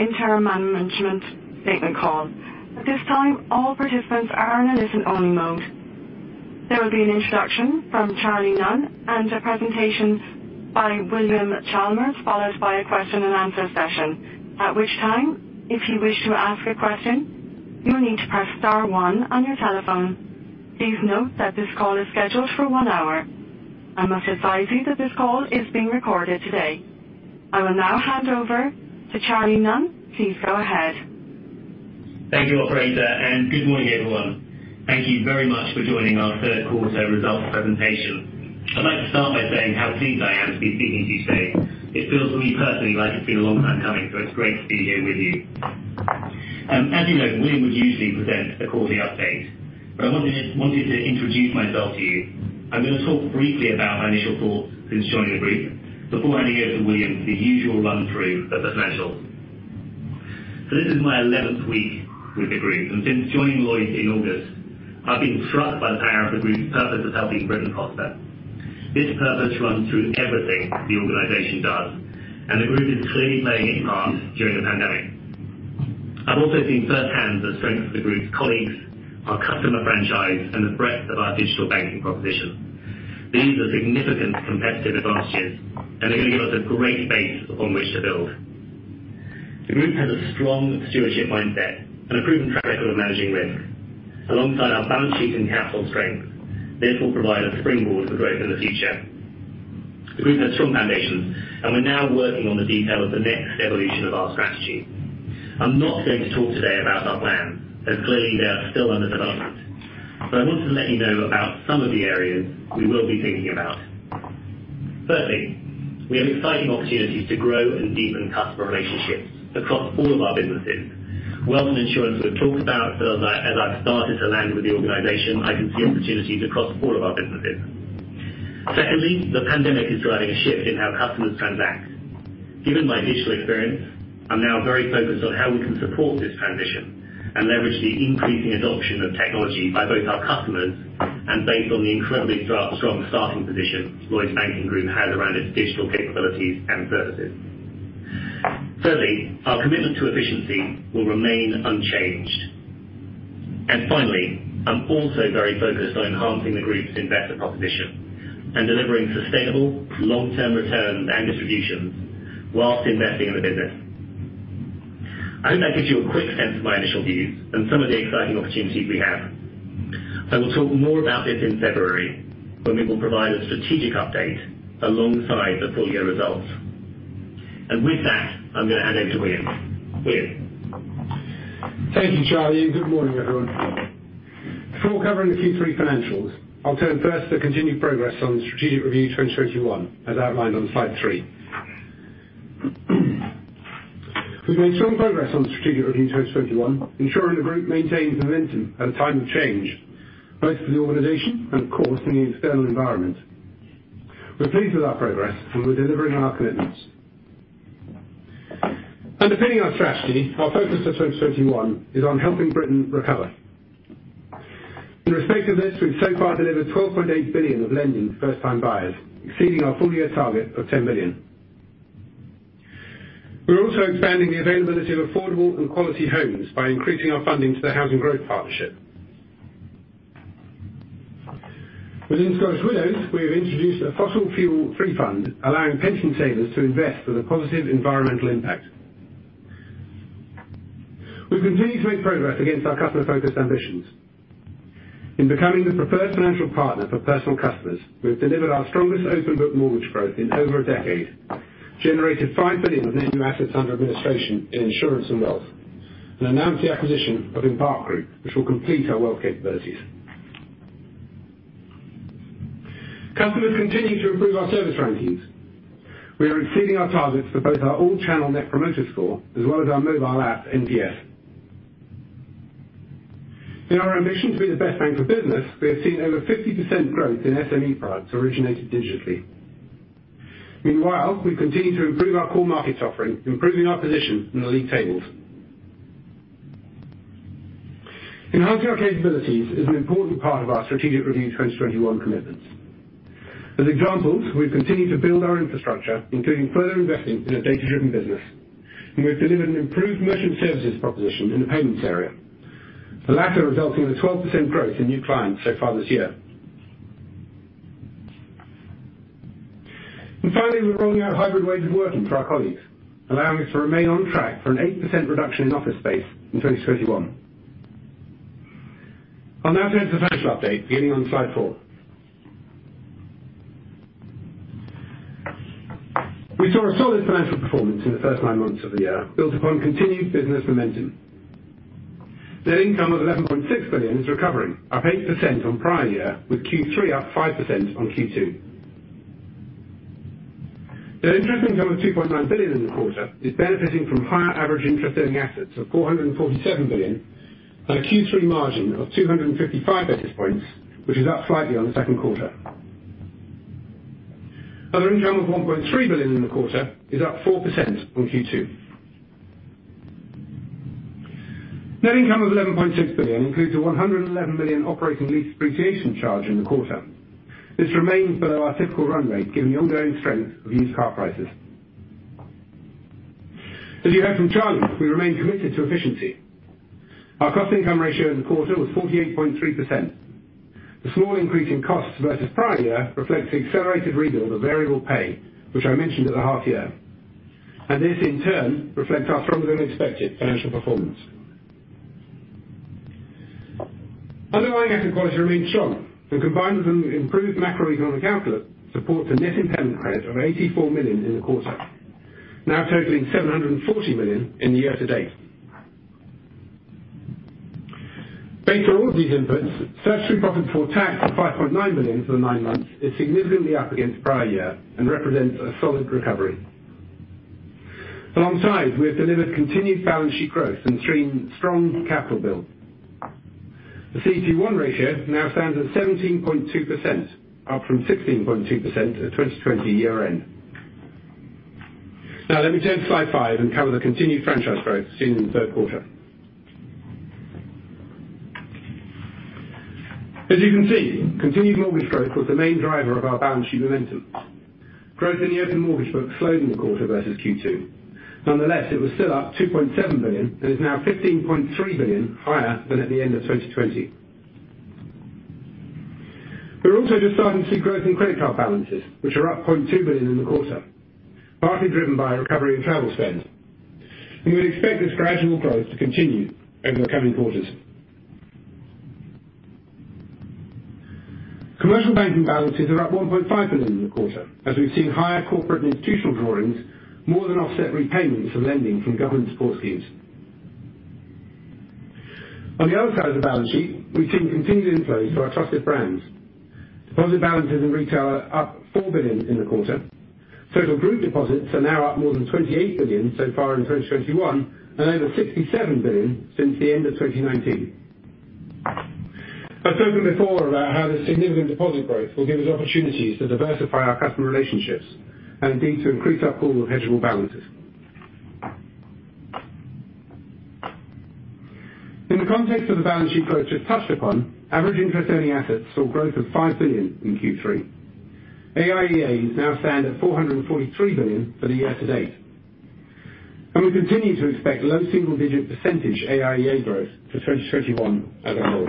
The interim management statement call. At this time, all participants are in a listen-only mode. There will be an introduction from Charlie Nunn and a presentation by William Chalmers, followed by a question and answer session. At which time, if you wish to ask a question, you will need to press star one on your telephone. Please note that this call is scheduled for one hour. I must advise you that this call is being recorded today. I will now hand over to Charlie Nunn. Please go ahead. Thank you, operator, and good morning, everyone. Thank you very much for joining our third quarter results presentation. I'd like to start by saying how pleased I am to be speaking to you today. It feels for me personally like it's been a long time coming, so it's great to be here with you. As you know, William would usually present a quarterly update, but I wanted to introduce myself to you. I'm gonna talk briefly about my initial thoughts since joining the group before handing over to William for the usual run-through of the financials. This is my 11th week with the group, and since joining Lloyds in August, I've been struck by the power of the group's purpose of helping Britain prosper. This purpose runs through everything the organization does, and the group is clearly playing its part during the pandemic. I've also seen firsthand the strength of the group's colleagues, our customer franchise, and the breadth of our digital banking proposition. These are significant competitive advantages and are gonna give us a great base upon which to build. The group has a strong stewardship mindset and a proven track record of managing risk. Alongside our balance sheet and capital strength, this will provide a springboard for growth in the future. The group has strong foundations, and we're now working on the detail of the next evolution of our strategy. I'm not going to talk today about our plan, as clearly they are still under development, but I want to let you know about some of the areas we will be thinking about. Firstly, we have exciting opportunities to grow and deepen customer relationships across all of our businesses. Wealth and insurance we've talked about, but as I've started to land with the organization, I can see opportunities across all of our businesses. Secondly, the pandemic is driving a shift in how customers transact. Given my digital experience, I'm now very focused on how we can support this transition and leverage the increasing adoption of technology by both our customers and based on the incredibly strong starting position Lloyds Banking Group has around its digital capabilities and services. Thirdly, our commitment to efficiency will remain unchanged. Finally, I'm also very focused on enhancing the group's investor proposition and delivering sustainable long-term returns and distributions while investing in the business. I hope that gives you a quick sense of my initial views and some of the exciting opportunities we have. I will talk more about this in February when we will provide a strategic update alongside the full year results. With that, I'm gonna hand over to William. William. Thank you, Charlie, and good morning, everyone. Before covering the Q3 financials, I'll turn first to the continued progress on the Strategic Review 2021, as outlined on slide three. We've made strong progress on the Strategic Review 2021, ensuring the group maintains momentum at a time of change, both for the organization and of course in the external environment. We're pleased with our progress, and we're delivering on our commitments. Underpinning our strategy, our focus for 2021 is on helping Britain recover. In respect of this, we've so far delivered 12.8 billion of lending to first-time buyers, exceeding our full-year target of 10 billion. We're also expanding the availability of affordable and quality homes by increasing our funding to the Housing Growth Partnership. Within Scottish Widows, we have introduced a fossil fuel free fund, allowing pension savers to invest with a positive environmental impact. We continue to make progress against our customer-focused ambitions. In becoming the preferred financial partner for personal customers, we've delivered our strongest open book mortgage growth in over a decade, generated 5 billion of net new assets under administration in insurance and wealth, and announced the acquisition of Embark Group, which will complete our wealth capabilities. Customers continue to improve our service rankings. We are exceeding our targets for both our all-channel Net Promoter Score as well as our mobile app NPS. In our ambition to be the best bank for business, we have seen over 50% growth in SME products originated digitally. Meanwhile, we continue to improve our core markets offering, improving our position in the league tables. Enhancing our capabilities is an important part of our Strategic Review 2021 commitments. As examples, we've continued to build our infrastructure, including further investing in a data-driven business. We've delivered an improved merchant services proposition in the payments area. The latter, resulting in a 12% growth in new clients so far this year. Finally, we're rolling out hybrid ways of working for our colleagues, allowing us to remain on track for an 8% reduction in office space in 2031. I'll now turn to the financial update beginning on slide four. We saw a solid financial performance in the first nine months of the year, built upon continued business momentum. Net income of 11.6 billion is recovering, up 8% on prior year, with Q3 up 5% on Q2. Net interest income of 2.9 billion in the quarter is benefiting from higher average interest-earning assets of 447 billion on a Q3 margin of 255 basis points, which is up slightly on the second quarter. Other income of 1.3 billion in the quarter is up 4% from Q2. Net income of 11.6 billion includes a 111 million operating lease depreciation charge in the quarter. This remains below our typical run rate, given the ongoing strength of used car prices. As you heard from Charlie, we remain committed to efficiency. Our cost income ratio in the quarter was 48.3%. The small increase in costs versus prior year reflects the accelerated rebuild of variable pay, which I mentioned at the half year. This in turn reflects our stronger than expected financial performance. Underlying asset quality remains strong and combined with an improved macroeconomic outlook, supports a net impairment rate of 84 million in the quarter, now totaling 740 million in the year-to-date. Based on all of these inputs, such strong profit before tax of 5.9 billion for the nine months is significantly up against prior year and represents a solid recovery. Alongside, we have delivered continued balance sheet growth and strong capital build. The CET1 ratio now stands at 17.2%, up from 16.2% at 2020 year end. Now let me turn to slide five and cover the continued franchise growth seen in the third quarter. As you can see, continued mortgage growth was the main driver of our balance sheet momentum. Growth in the open mortgage book slowed in the quarter versus Q2.Nonetheless, it was still up 2.7 billion and is now 15.3 billion higher than at the end of 2020. We're also just starting to see growth in credit card balances, which are up 0.2 billion in the quarter, partly driven by a recovery in travel spend. We expect this gradual growth to continue over the coming quarters. Commercial banking balances are up 1.5 billion in the quarter, as we've seen higher corporate institutional drawings more than offset repayments for lending from government support schemes. On the other side of the balance sheet, we've seen continued inflows to our trusted brands. Deposit balances in retail are up 4 billion in the quarter. Total group deposits are now up more than 28 billion so far in 2021 and over 67 billion since the end of 2019. I've spoken before about how this significant deposit growth will give us opportunities to diversify our customer relationships and indeed, to increase our pool of hedgable balances. In the context of the balance sheet growth just touched upon, average interest earning assets saw growth of 5 billion in Q3. AIEA now stand at 443 billion for the year-to-date. We continue to expect low single-digit % AIEA growth for 2021 as a whole.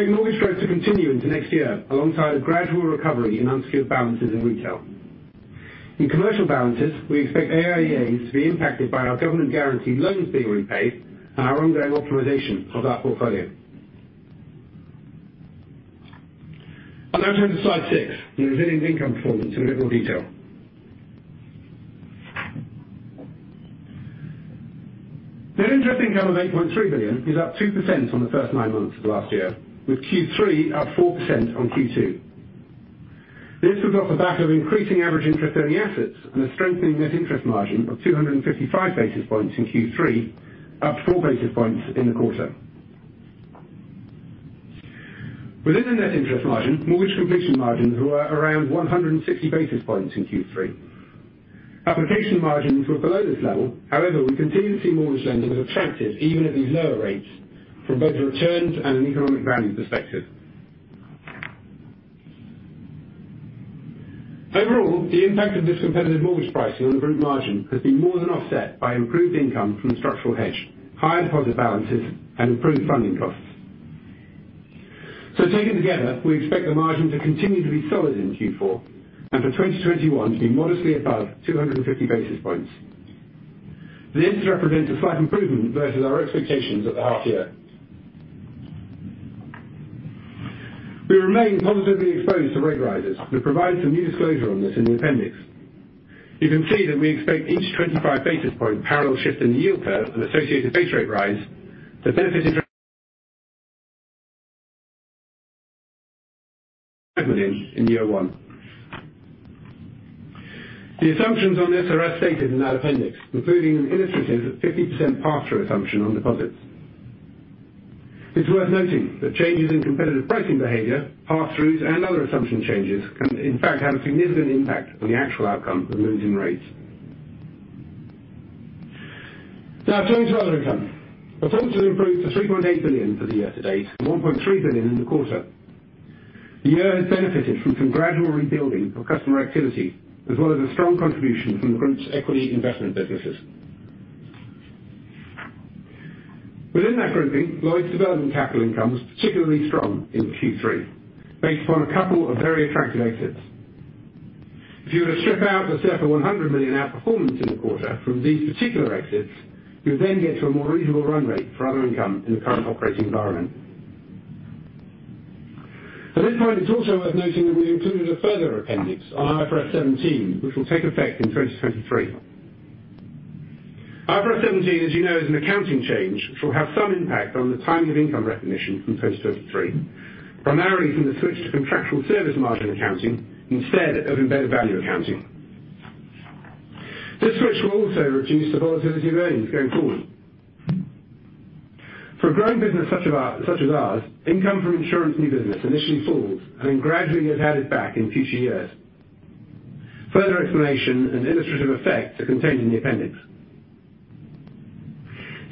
We expect mortgage growth to continue into next year, alongside a gradual recovery in unsecured balances in retail. In commercial balances, we expect AIEAs to be impacted by our government guaranteed loans being repaid and our ongoing optimization of that portfolio. I'll now turn to slide six, and resilient income performance in a little more detail. Net interest income of 8.3 billion is up 2% on the first nine months of last year, with Q3 up 4% on Q2. This was off the back of increasing average interest earning assets and a strengthening net interest margin of 255 basis points in Q3, up 4 basis points in the quarter. Within the net interest margin, mortgage completion margins were around 160 basis points in Q3. Application margins were below this level. However, we continue to see mortgage lending as attractive even at these lower rates from both a returns and an economic value perspective. Overall, the impact of this competitive mortgage pricing on the group margin has been more than offset by improved income from structural hedge, higher deposit balances, and improved funding costs. Taken together, we expect the margin to continue to be solid in Q4 and for 2021 to be modestly above 250 basis points. This represents a slight improvement versus our expectations at the half year. We remain positively exposed to rate rises. We provide some new disclosure on this in the appendix. You can see that we expect each 25 basis point parallel shift in the yield curve and associated base rate rise to benefit [inaudible] GBP 100 million in year one. The assumptions on this are as stated in that appendix, including an illustrative 50% pass-through assumption on deposits. It's worth noting that changes in competitive pricing behavior, pass-throughs, and other assumption changes can in fact have a significant impact on the actual outcome for moves in rates. Now turning to other income. Performance has improved to 3.8 billion for the year-to-date and 1.3 billion in the quarter. The year has benefited from some gradual rebuilding of customer activity, as well as a strong contribution from the group's equity investment businesses. Within that grouping, Lloyds Development Capital income was particularly strong in Q3, based upon a couple of very attractive exits. If you were to strip out the circa 100 million outperformance in the quarter from these particular exits, you would then get to a more reasonable run rate for other income in the current operating environment. At this point, it's also worth noting that we've included a further appendix on IFRS 17 which will take effect in 2023. IFRS 17, as you know, is an accounting change which will have some impact on the timing of income recognition from 2023, primarily from the switch to contractual service margin accounting instead of embedded value accounting. This switch will also reduce the volatility of earnings going forward. For a growing business such as ours, income from insurance new business initially falls and then gradually is added back in future years. Further explanation and illustrative effects are contained in the appendix.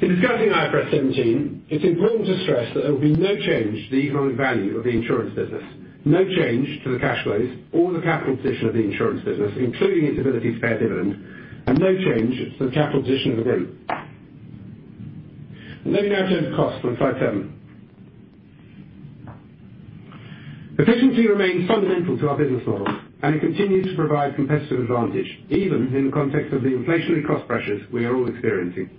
In discussing IFRS 17, it's important to stress that there will be no change to the economic value of the insurance business, no change to the cash flows or the capital position of the insurance business, including its ability to pay a dividend and no change to the capital position of the group. Let me now turn to cost on slide seven. Efficiency remains fundamental to our business model, and it continues to provide competitive advantage even in the context of the inflationary cost pressures we are all experiencing.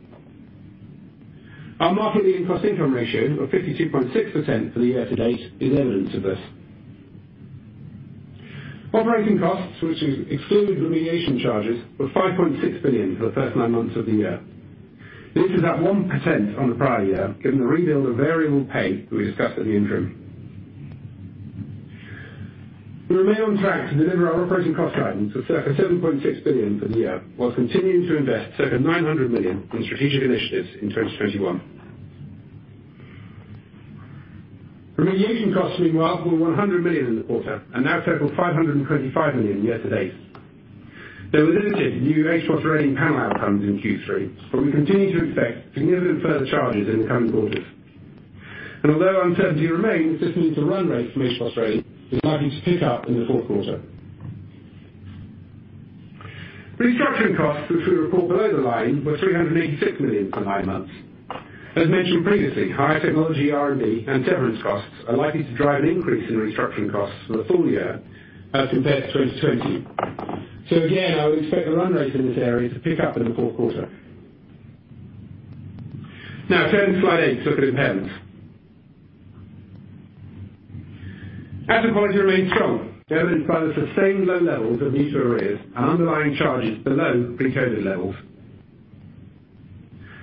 Our market-leading cost-income ratio of 52.6% for the year-to-date is evidence of this. Operating costs, which is excluding remediation charges, were 5.6 billion for the first nine months of the year. This is at 1% on the prior year, given the rebuild of variable pay we discussed at the interim. We remain on track to deliver our operating cost guidance of circa 7.6 billion for the year, while continuing to invest circa 900 million on strategic initiatives in 2021. Remediation costs meanwhile were 100 million in the quarter and now total 525 million year-to-date. There were limited new FOS rating panel outcomes in Q3, but we continue to expect significant further charges in the coming quarters. Although uncertainty remains, we just need the run rate from FOS rating is likely to pick up in the fourth quarter. Restructuring costs, which we report below the line, were 386 million for nine months. As mentioned previously, higher technology R&D and severance costs are likely to drive an increase in restructuring costs for the full year as compared to 2020. Again, I would expect the run rate in this area to pick up in the fourth quarter. Now turning to slide 8 to look at impairments. At this point it remains strong, evidenced by the sustained low levels of new arrears and underlying charges below pre-COVID levels.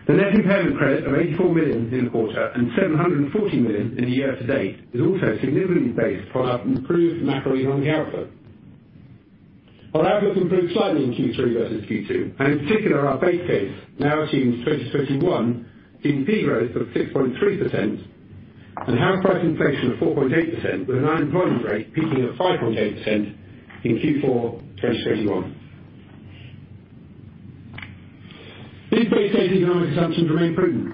The net impairment credit of 84 million in the quarter and 740 million in the year-to-date is also significantly based on our improved macroeconomic outlook. Our outlook improved slightly in Q3 versus Q2, and in particular, our base case now assumes 2021 GDP growth of 6.3% and house price inflation of 4.8% with an unemployment rate peaking at 5.8% in Q4 2021. These base case economic assumptions remain prudent.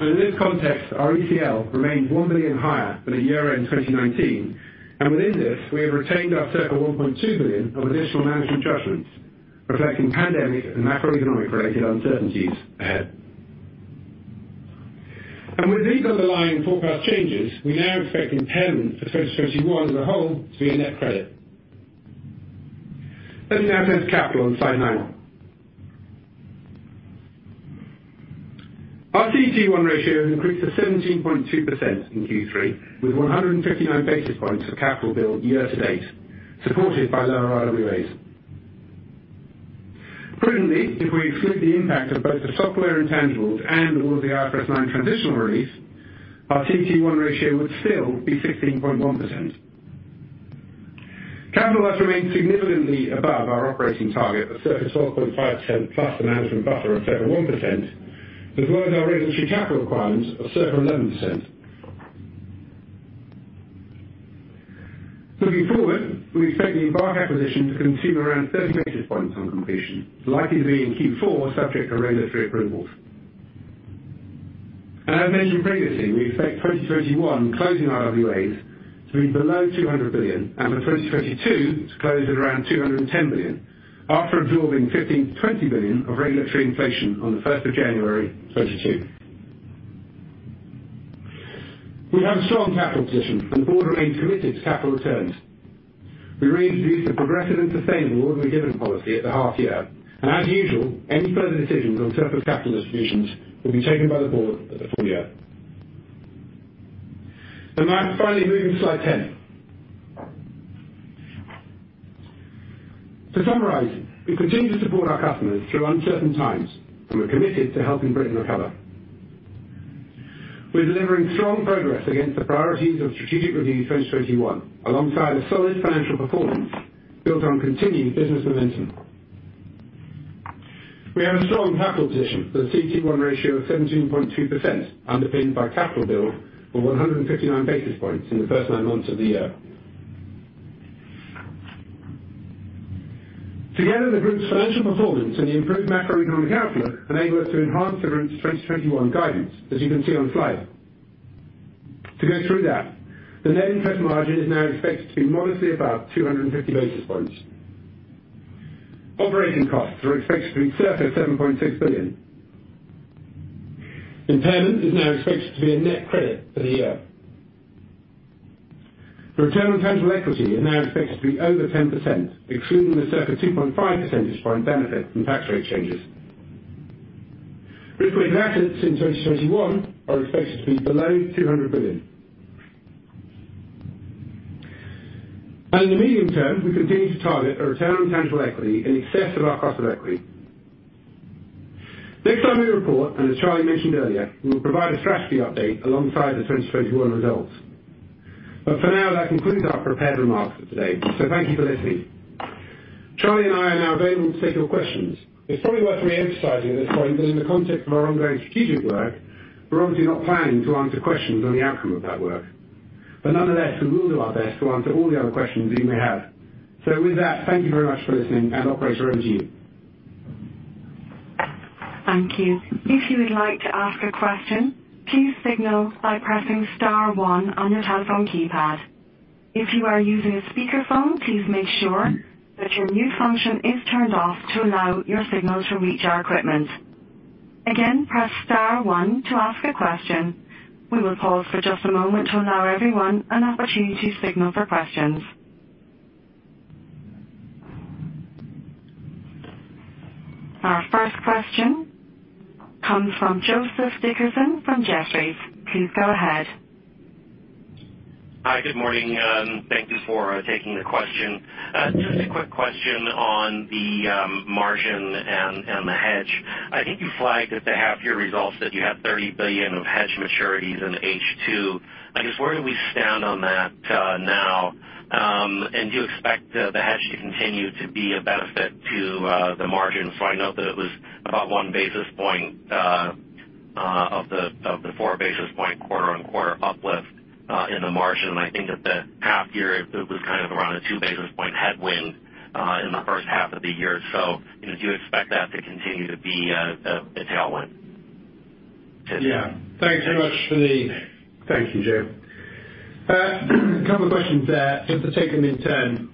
In this context, our ECL remains 1 billion higher than at year-end 2019, and within this, we have retained our circa 1.2 billion of additional management judgments, reflecting pandemic and macroeconomic-related uncertainties ahead. With these underlying forecast changes, we now expect impairment for 2021 as a whole to be a net credit. Let me now turn to capital on slide nine. Our CET1 ratio has increased to 17.2% in Q3, with 159 basis points of capital build year-to-date, supported by lower RWAs. Prudently, if we exclude the impact of both the software intangibles and all of the IFRS 9 transitional release, our CET1 ratio would still be 15.1%. Capital has remained significantly above our operating target of circa 12.5% plus the management buffer of circa 1%, as well as our regulatory capital requirements of circa 11%. Moving forward, we expect the Embark acquisition to consume around 30 basis points on completion, likely to be in Q4 subject to regulatory approvals. As mentioned previously, we expect 2021 closing RWAs to be below 200 billion and for 2022 to close at around 210 billion after absorbing 15 billion-20 billion of regulatory inflation on January 1st, 2022. We have a strong capital position and the board remains committed to capital returns. We reintroduced a progressive and sustainable ordinary dividend policy at the half year. As usual, any further decisions on surplus capital distributions will be taken by the board at the full year. Now finally moving to slide 10. To summarize, we continue to support our customers through uncertain times and we're committed to helping Britain recover. We're delivering strong progress against the priorities of Strategic Review 2021, alongside a solid financial performance built on continued business momentum. We have a strong capital position with a CET1 ratio of 17.2%, underpinned by capital build of 159 basis points in the first nine months of the year. Together, the group's financial performance and the improved macroeconomic outlook enable us to enhance the group's 2021 guidance, as you can see on slide. To go through that, the net interest margin is now expected to be modestly above 250 basis points. Operating costs are expected to be circa 7.6 billion. Impairment is now expected to be a net credit for the year. Return on tangible equity is now expected to be over 10%, excluding the circa 2.5% point benefit from tax rate changes. Risk-weighted assets in 2021 are expected to be below 200 billion. In the medium term, we continue to target a return on tangible equity in excess of our cost of equity. Next time we report, and as Charlie mentioned earlier, we will provide a strategy update alongside the 2021 results. For now, that concludes our prepared remarks for today. Thank you for listening. Charlie and I are now available to take your questions. It's probably worth re-emphasizing at this point that in the context of our ongoing strategic work, we're obviously not planning to answer questions on the outcome of that work. Nonetheless, we will do our best to answer all the other questions that you may have. With that, thank you very much for listening, and operator, over to you. Thank you. If you would like to ask a question, please signal by pressing star one on your telephone keypad. If you are using a speakerphone, please make sure that your mute function is turned off to allow your signal to reach our equipment. Again, press star one to ask a question. We will pause for just a moment to allow everyone an opportunity to signal for questions. Our first question comes from Joseph Dickerson from Jefferies. Please go ahead. Hi, good morning. Thank you for taking the question. Just a quick question on the margin and the hedge. I think you flagged at the half-year results that you had 30 billion of hedge maturities in H2. I guess, where do we stand on that now? And do you expect the hedge to continue to be a benefit to the margin? I know that it was about one basis point of the four basis points quarter-over-quarter uplift in the margin. I think that the half year it was kind of around a two basis points headwind in the first half of the year. Do you expect that to continue to be a tailwind to- Thank you, Joe. Couple of questions there. Just to take them in turn.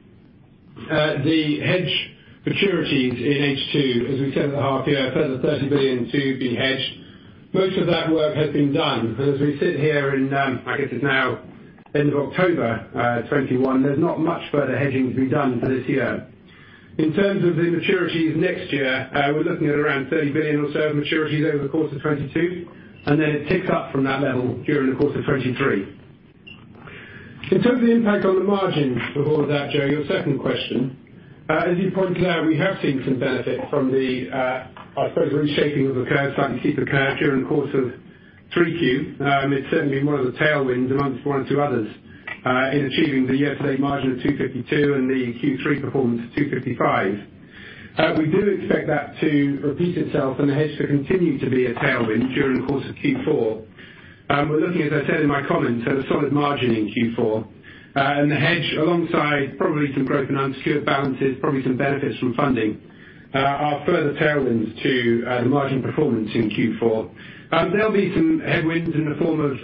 The hedge maturities in H2, as we said at the half year, a further 30 billion to be hedged. Most of that work has been done. As we sit here, I guess it's now end of October 2021, there's not much further hedging to be done for this year. In terms of the maturities next year, we're looking at around 30 billion or so maturities over the course of 2022, and then it ticks up from that level during the course of 2023. In terms of the impact on the margins before that, Joe, your second question. As you point out, we have seen some benefit from the, I suppose reshaping of the curve, slightly steeper curve during the course of Q3.It's certainly been one of the tailwinds, among one or two others, in achieving the year-to-date margin of 252 and the Q3 performance of 255. We do expect that to repeat itself and the hedge to continue to be a tailwind during the course of Q4. We're looking, as I said in my comments, at a solid margin in Q4. The hedge alongside probably some growth in unsecured balances, probably some benefits from funding, are further tailwinds to the margin performance in Q4. There'll be some headwinds in the form of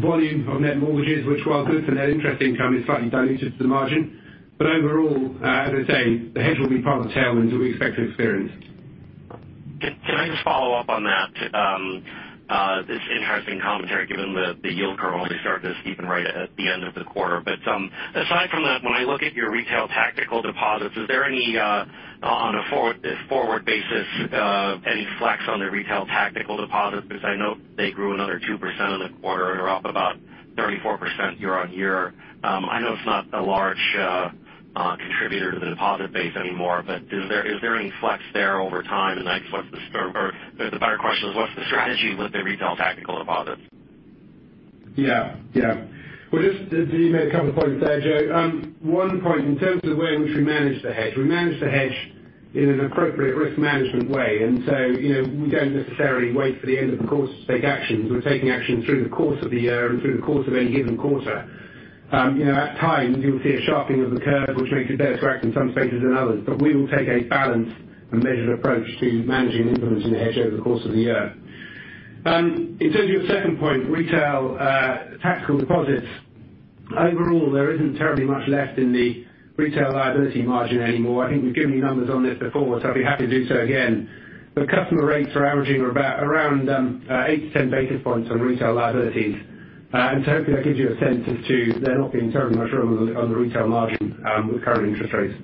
volume of net mortgages, which while good for net interest income, is slightly dilutive to the margin. Overall, as I say, the hedge will be part of the tailwind that we expect to experience. Can I just follow up on that? It's interesting commentary given the yield curve only started to steepen right at the end of the quarter. Aside from that, when I look at your retail tactical deposits, is there any on a forward basis any flex on the retail tactical deposits? Because I know they grew another 2% in the quarter and are up about 34% year-on-year. I know it's not a large contributor to the deposit base anymore, but is there any flex there over time? Or the better question is what's the strategy with the retail tactical deposits? Yeah. Well, just you made a couple of points there, Joe. One point in terms of the way in which we manage the hedge, we manage the hedge in an appropriate risk management way, and so, you know, we don't necessarily wait for the end of the course to take actions. We're taking action through the course of the year and through the course of any given quarter. You know, at times you'll see a sharpening of the curve, which makes it better to act in some stages than others. We will take a balanced and measured approach to managing the influence of the hedge over the course of the year. In terms of your second point, retail tactical deposits, overall, there isn't terribly much left in the retail liability margin anymore. I think we've given you numbers on this before, so I'd be happy to do so again. The customer rates are averaging around 8-10 basis points on retail liabilities. Hopefully that gives you a sense as to there not being terribly much room on the retail margin with current interest rates.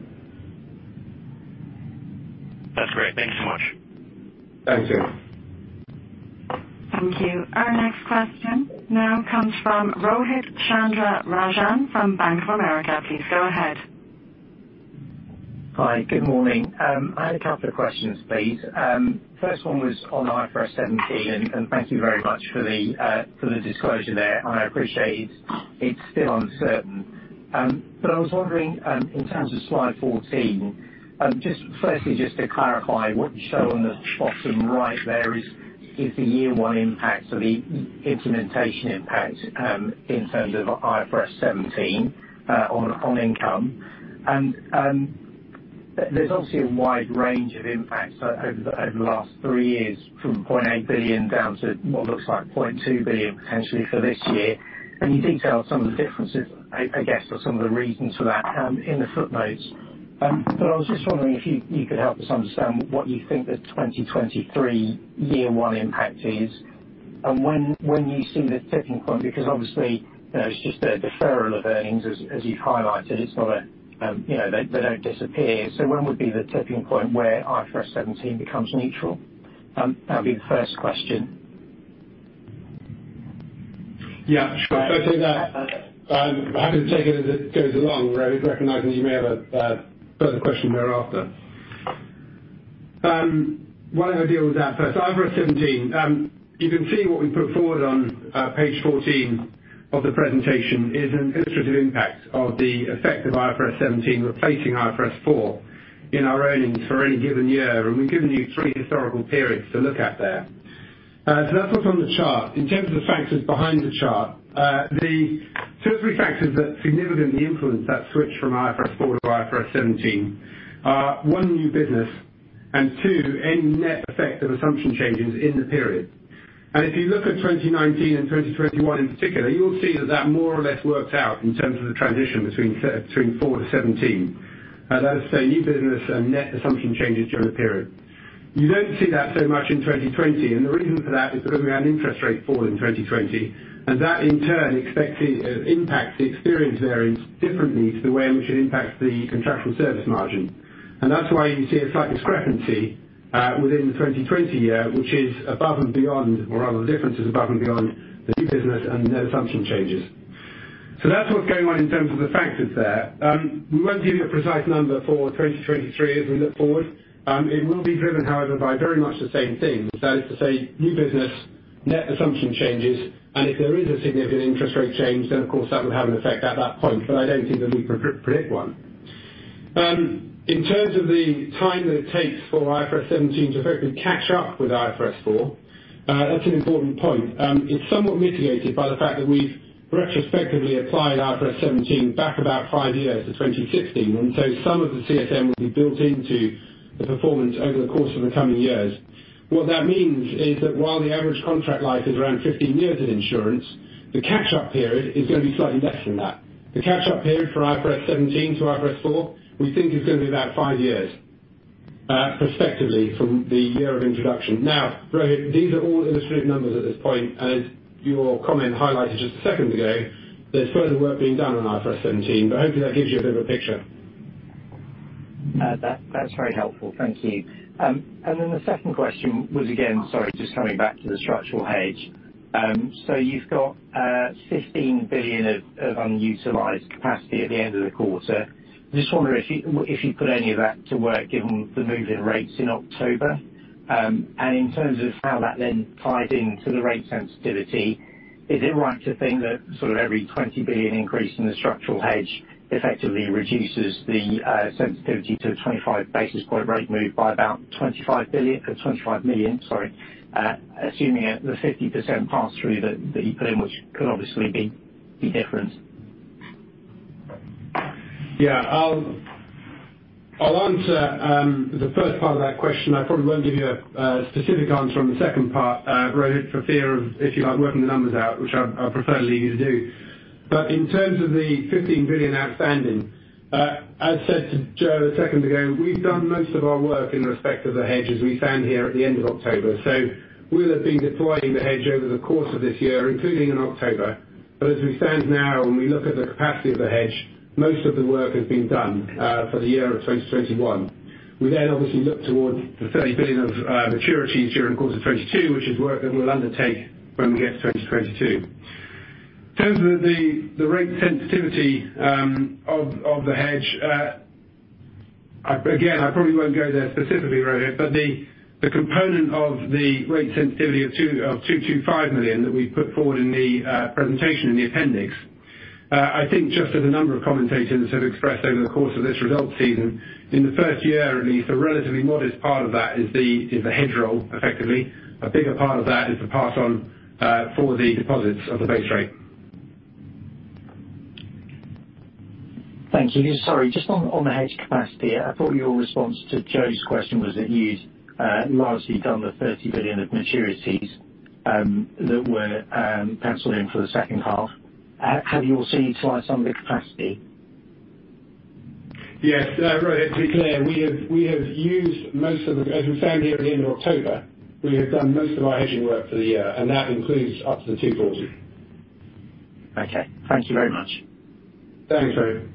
That's great. Thank you so much. Thanks, Joe. Thank you. Our next question now comes from Rohith Chandra-Rajan from Bank of America. Please go ahead. Hi. Good morning. I had a couple of questions, please. First one was on IFRS 17, and thank you very much for the disclosure there. I appreciate it's still uncertain. But I was wondering, in terms of slide 14, just firstly, just to clarify what you show on the bottom right there is the year one impact of the implementation impact in terms of IFRS 17 on income. There's obviously a wide range of impacts over the last three years from 0.8 billion down to what looks like 0.2 billion potentially for this year. You detailed some of the differences, I guess, or some of the reasons for that in the footnotes. I was just wondering if you could help us understand what you think the 2023 year one impact is and when you see the tipping point. Because obviously, you know, it's just a deferral of earnings as you've highlighted. It's not a you know they don't disappear. When would be the tipping point where IFRS 17 becomes neutral? That'll be the first question. Yeah, sure. I think that, I'm happy to take it as it goes along, Rohith, recognizing you may have a further question thereafter. Why don't I deal with that first? IFRS 17. You can see what we put forward on, page 14 of the presentation is an illustrative impact of the effect of IFRS 17 replacing IFRS 4 in our earnings for any given year. We've given you three historical periods to look at there. So that's what's on the chart. In terms of the factors behind the chart, the two or three factors that significantly influence that switch from IFRS 4-IFRS 17 are, one, new business, and two, any net effect of assumption changes in the period. If you look at 2019 and 2021 in particular, you will see that that more or less works out in terms of the transition between IFRS 4-IFRS 17. That is to say new business and net assumption changes during the period. You don't see that so much in 2020, and the reason for that is because we had an interest rate fall in 2020, and that in turn affects the impact on the experience variance differently to the way in which it impacts the contractual service margin. That's why you see a slight discrepancy within the 2020 year, which is above and beyond or rather the difference is above and beyond the new business and net assumption changes. That's what's going on in terms of the factors there. We won't give you a precise number for 2023 as we look forward. It will be driven, however, by very much the same thing. That is to say new business, net assumption changes, and if there is a significant interest rate change, then of course, that would have an effect at that point, but I don't think that we can predict one. In terms of the time that it takes for IFRS 17 to effectively catch up with IFRS 4, that's an important point. It's somewhat mitigated by the fact that we've retrospectively applied IFRS 17 back about five years to 2016. Some of the CSM will be built into the performance over the course of the coming years. What that means is that while the average contract life is around 15 years of insurance, the catch up period is going to be slightly less than that. The catch up period for IFRS 17-IFRS 4, we think is going to be about five years, prospectively from the year of introduction. Now, Rohith, these are all illustrative numbers at this point, and as your comment highlighted just a second ago, there's further work being done on IFRS 17, but hopefully that gives you a bit of a picture. That's very helpful. Thank you. The second question was again, sorry, just coming back to the structural hedge. You've got 15 billion of unutilized capacity at the end of the quarter. Just wondering if you put any of that to work given the move in rates in October. In terms of how that then ties into the rate sensitivity, is it right to think that sort of every 20 billion increase in the structural hedge effectively reduces the sensitivity to a 25 basis point rate move by about 25 billion, 25 million, sorry, assuming the 50% pass through that you put in, which could obviously be different? Yeah. I'll answer the first part of that question. I probably won't give you a specific answer on the second part, Rohit, for fear of issue of working the numbers out, which I prefer to leave you to do. In terms of the 15 billion outstanding, as said to Joe a second ago, we've done most of our work in respect of the hedges as we stand here at the end of October. We'll have been deploying the hedge over the course of this year, including in October. As we stand now and we look at the capacity of the hedge, most of the work has been done for the year of 2021. We then obviously look towards the 30 billion of maturities during the course of 2022, which is work that we'll undertake when we get to 2022. In terms of the rate sensitivity of the hedge, again, I probably won't go there specifically, Rohit, but the component of the rate sensitivity of 225 million that we put forward in the presentation in the appendix, I think just as a number of commentators have expressed over the course of this results season, in the first year at least, a relatively modest part of that is the hedge roll effectively. A bigger part of that is the pass on for the deposits of the base rate. Thank you. Sorry, just on the hedge capacity. I thought your response to Joe's question was that you'd you've obviously done the 30 billion of maturities that were penciled in for the second half. Have you assigned some of the capacity? Yes. Rohit, to be clear, as we stand here at the end of October, we have done most of our hedging work for the year, and that includes up to the 240. Okay. Thank you very much. Thanks, Rohit.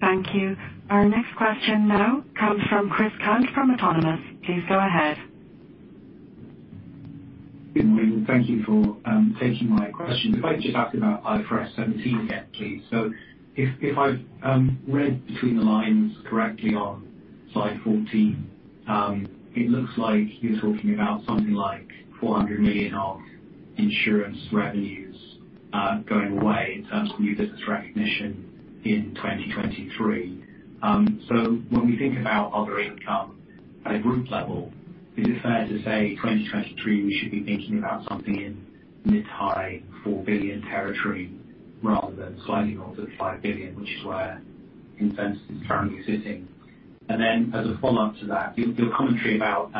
Thank you. Our next question now comes from Chris Cant from Autonomous. Please go ahead. Good morning. Thank you for taking my question. If I could just ask about IFRS 17 again, please. So if I've read between the lines correctly on slide 14, it looks like you're talking about something like 400 million of insurance revenues going away in terms of new business recognition in 2023. So when we think about other income at a group level, is it fair to say 2023, we should be thinking about something in mid-high 4 billion territory rather than sliding off to the 5 billion, which is where consensus is currently sitting. As a follow-up to that, your commentary about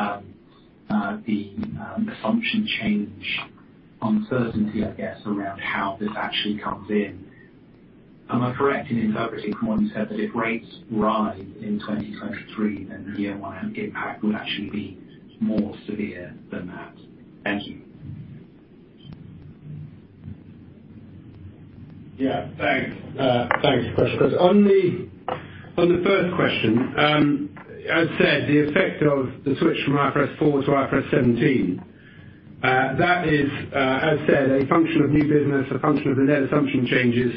the assumption change uncertainty, I guess, around how this actually comes in. Am I correct in interpreting from what you said that if rates rise in 2023, then the year one impact would actually be more severe than that? Thank you. Yeah. Thanks, Chris. On the first question, as said, the effect of the switch from IFRS 4-IFRS 17, that is, as said, a function of new business, a function of the net assumption changes,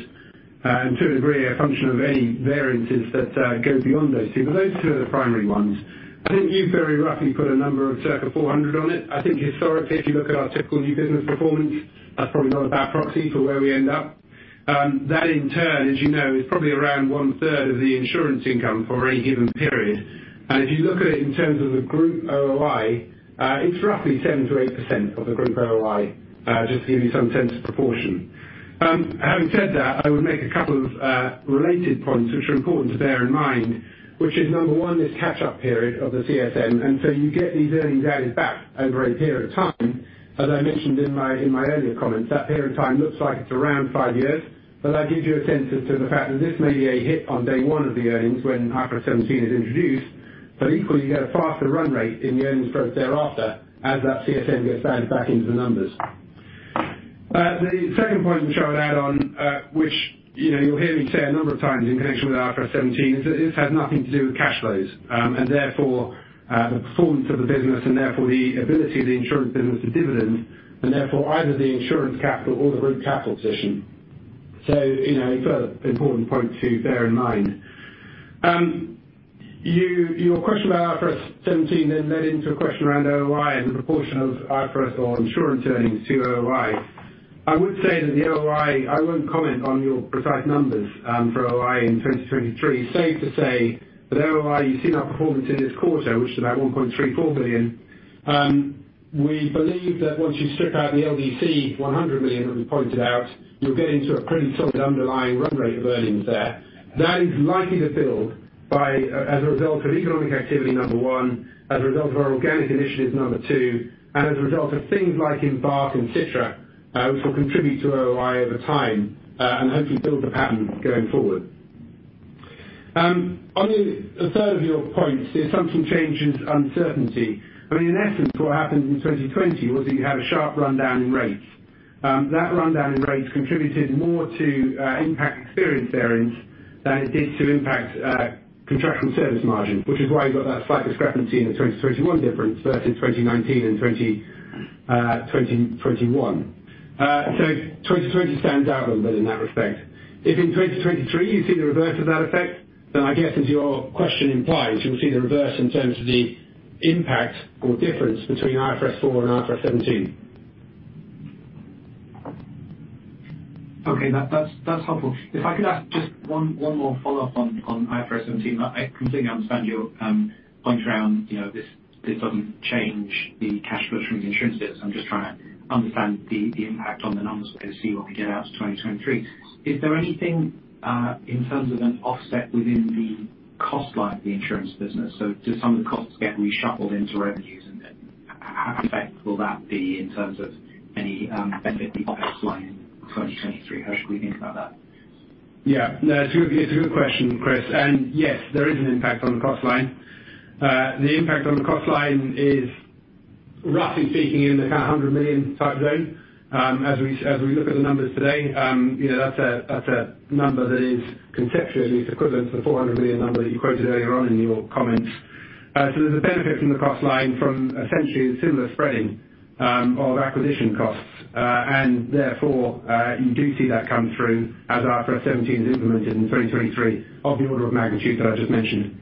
and to a degree, a function of any variances that go beyond those two. Those two are the primary ones. I think you very roughly put a number of circa 400 on it. I think historically, if you look at our typical new business performance, that's probably not a bad proxy for where we end up. That in turn, as you know, is probably around 1/3 of the insurance income for any given period. If you look at it in terms of the group OOI, it's roughly 7%-8% of the group OOI, just to give you some sense of proportion. Having said that, I would make a couple of related points which are important to bear in mind, which is, number one, this catch up period of the CSM. You get these earnings added back over a period of time. As I mentioned in my earlier comments, that period of time looks like it's around five years. That gives you a sense as to the fact that this may be a hit on day one of the earnings when IFRS 17 is introduced. Equally, you get a faster run rate in the earnings growth thereafter as that CSM gets added back into the numbers. The second point, which I would add on, which, you know, you'll hear me say a number of times in connection with IFRS 17, is that this has nothing to do with cash flows, and therefore, the performance of the business and therefore the ability of the insurance business to dividend and therefore either the insurance capital or the group capital position. You know, it's an important point to bear in mind. Your question about IFRS 17 then led into a question around OOI and the proportion of IFRS 17 or insurance earnings to OOI. I would say that the OOI. I won't comment on your precise numbers, for OOI in 2023. Safe to say that OOI, you've seen our performance in this quarter, which is about 1.34 billion. We believe that once you strip out the LDC 100 million that we pointed out, you're getting to a pretty solid underlying run rate of earnings there. That is likely to build by, as a result of economic activity, number one, as a result of our organic initiatives, number two, and as a result of things like Embark and Citra, which will contribute to OOI over time, and hopefully build the pattern going forward. On the third of your points, the assumption changes uncertainty. I mean, in essence, what happened in 2020 was that you had a sharp rundown in rates. That rundown in rates contributed more to impact experience variance than it did to impact contractual service margin, which is why you got that slight discrepancy in the 2021 difference versus 2019 and 2020, 2021. 2020 stands out a little bit in that respect. If in 2023 you see the reverse of that effect, then I guess, as your question implies, you'll see the reverse in terms of the impact or difference between IFRS 4 and IFRS 17. Okay. That's helpful. If I could ask just one more follow-up on IFRS 17. I completely understand your point around, you know, this doesn't change the cash flow from the insurance business. I'm just trying to understand the impact on the numbers we're going to see when we get out to 2023. Is there anything in terms of an offset within the cost line of the insurance business? Do some of the costs get reshuffled into revenues, and then how effective will that be in terms of any benefit to the cost line in 2023? How should we think about that? Yeah. No, it's a good question, Chris. Yes, there is an impact on the cost line. The impact on the cost line is, roughly speaking, in the kind of 100 million type zone. As we look at the numbers today, you know, that's a number that is conceptually equivalent to the 400 million number that you quoted earlier on in your comments. There's a benefit from the cost line from essentially the similar spreading of acquisition costs. Therefore, you do see that come through as IFRS 17 is implemented in 2023 of the order of magnitude that I just mentioned.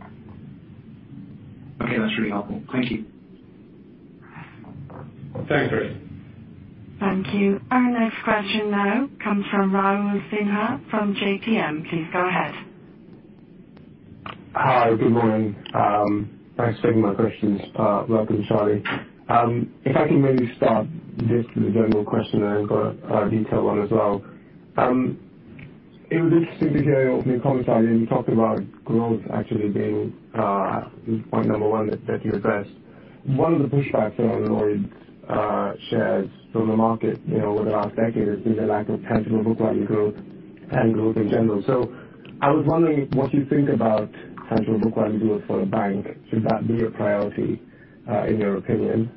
Okay. That's really helpful. Thank you. Thanks, Chris. Thank you. Our next question now comes from Raul Sinha from JPM. Please go ahead. Hi. Good morning. Thanks for taking my questions, welcome Charlie. If I can maybe start this with a general question, and I've got a detail one as well. It was interesting to hear your opening comments, Charlie, and you talked about growth actually being point number one that you addressed. One of the pushbacks on Lloyds shares from the market, you know, over the last decade has been the lack of tangible book value growth and growth in general. I was wondering what you think about tangible book value growth for a bank. Should that be a priority in your opinion?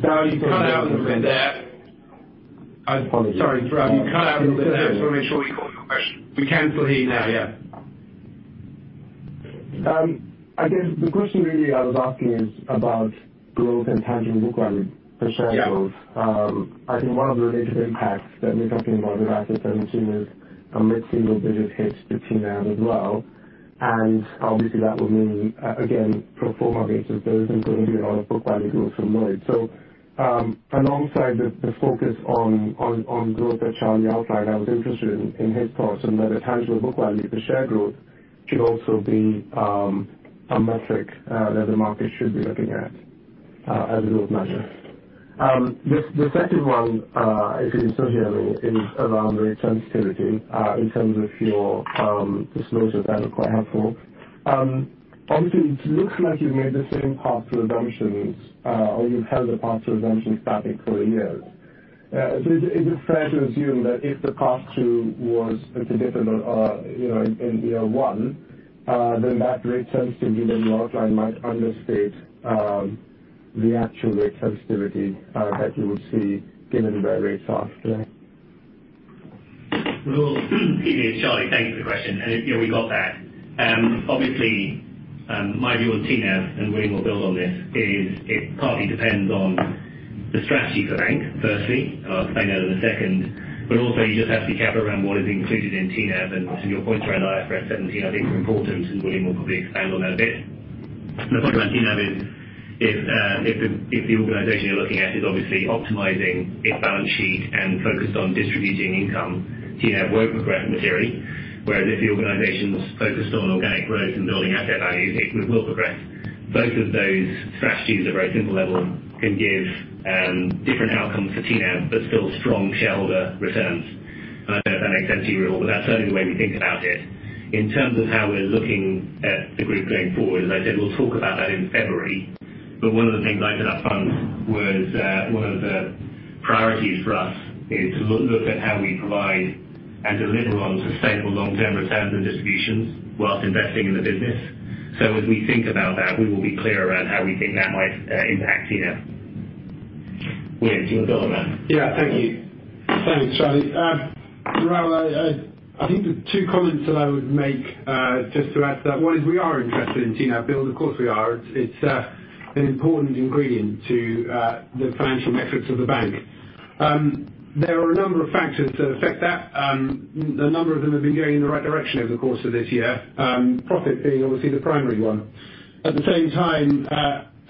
Sorry, you cut out a little bit there. Apologies. Sorry to interrupt. You cut out a little bit there. Just wanna make sure we got your question. We can still hear you now, yeah. I guess the question really I was asking is about growth and tangible book value per share growth. Yeah. I think one of the related impacts that we're talking about with IFRS 17 is a mid-single digit hit to TNAV as well. Obviously, that would mean, again, pro forma basis, there isn't going to be a lot of book value growth from Lloyds. Alongside the focus on growth that Charlie outlined, I was interested in his thoughts on whether tangible book value per share growth should also be a metric that the market should be looking at as a growth measure. The second one, if you don't mind me, is around the rate sensitivity in terms of your disclosures. That was quite helpful. Obviously, it looks like you've made the same pass through assumptions or you've held the pass through assumptions static for a year. Is it fair to assume that if the pass through was particular, you know, in year one, then that rate sensitivity that you outlined might understate? The actual rate sensitivity, that you would see given where rates are today. Well, PD it's Charlie, thank you for the question. You know we got that. Obviously, my view on TNAV, and William will build on this, is it partly depends on the strategy for the bank, firstly. I'll explain that in a second. You just have to be careful around what is included in TNAV, and to your point around IFRS 17, I think it's important, and William will probably expand on that a bit. The point about TNAV is if the organization you're looking at is obviously optimizing its balance sheet and focused on distributing income, TNAV won't progress materially. Whereas if the organization's focused on organic growth and building asset values, it will progress. Both of those strategies at a very simple level can give different outcomes for TNAV, but still strong shareholder returns. I don't know if that makes sense, Gerald, but that's certainly the way we think about it. In terms of how we're looking at the group going forward, as I said, we'll talk about that in February. One of the things I said up front was one of the priorities for us is to look at how we provide and deliver on sustainable long-term returns and distributions while investing in the business. As we think about that, we will be clear around how we think that might impact TNAV. Yeah, you can build on that. Yeah. Thank you. Thanks, Charlie. Raul, I think the two comments that I would make, just to add to that, one is we are interested in TNAV build. Of course we are. It's an important ingredient to the financial metrics of the bank. There are a number of factors that affect that. A number of them have been going in the right direction over the course of this year, profit being obviously the primary one. At the same time,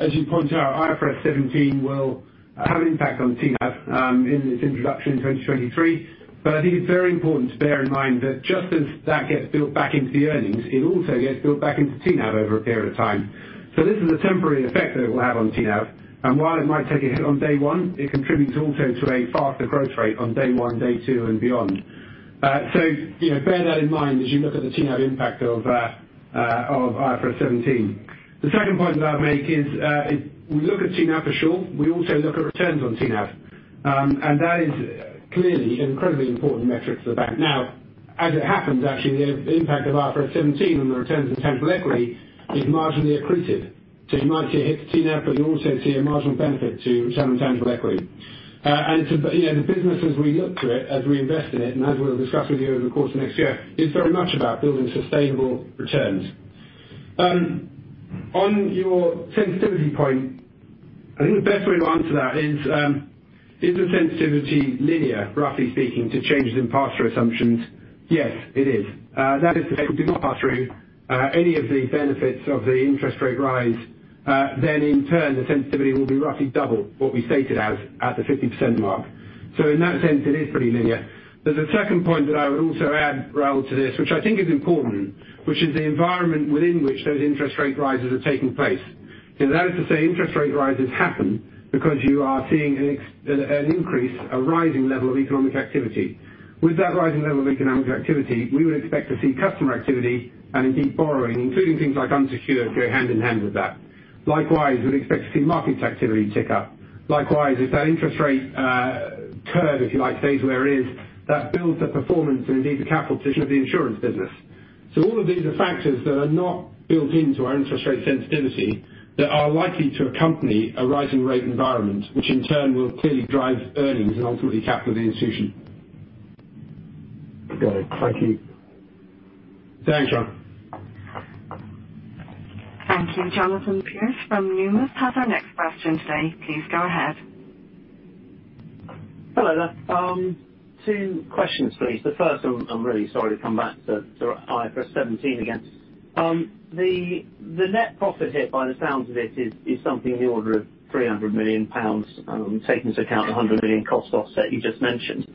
as you point out, IFRS 17 will have an impact on TNAV, in its introduction in 2023. I think it's very important to bear in mind that just as that gets built back into the earnings, it also gets built back into TNAV over a period of time. This is a temporary effect that it will have on TNAV, and while it might take a hit on day one, it contributes also to a faster growth rate on day one, day two, and beyond. You know, bear that in mind as you look at the TNAV impact of IFRS 17. The second point that I'd make is, we look at TNAV for sure. We also look at returns on TNAV. And that is clearly an incredibly important metric to the bank. Now, as it happens, actually, the impact of IFRS 17 on the returns on tangible equity is marginally accreted. You might see a hit to TNAV, but you also see a marginal benefit to return on tangible equity. To you know the business as we look to it, as we invest in it, and as we'll discuss with you over the course of next year, is very much about building sustainable returns. On your sensitivity point, I think the best way to answer that is the sensitivity linear, roughly speaking, to changes in post-hedge assumptions? Yes, it is. That is to say, we do not post-hedge any of the benefits of the interest rate rise. Then in turn, the sensitivity will be roughly double what we stated as at the 50% mark. In that sense, it is pretty linear. There's a second point that I would also add, Raul, to this, which I think is important, which is the environment within which those interest rate rises are taking place. That is to say interest rate rises happen because you are seeing an increase, a rising level of economic activity. With that rising level of economic activity, we would expect to see customer activity and indeed borrowing, including things like unsecured, go hand in hand with that. Likewise, we'd expect to see markets activity tick up. Likewise, if that interest rate curve, if you like, stays where it is, that builds the performance and indeed the capital position of the insurance business. So all of these are factors that are not built into our interest rate sensitivity that are likely to accompany a rising rate environment, which in turn will clearly drive earnings and ultimately capital of the institution. Got it. Thank you. Thanks, Raul. Thank you. Jonathan Pierce from Numis has our next question today. Please go ahead. Hello there. Two questions, please. The first one, I'm really sorry to come back to IFRS 17 again. The net profit hit, by the sounds of it, is something in the order of 300 million pounds, taking into account the 100 million cost offset you just mentioned.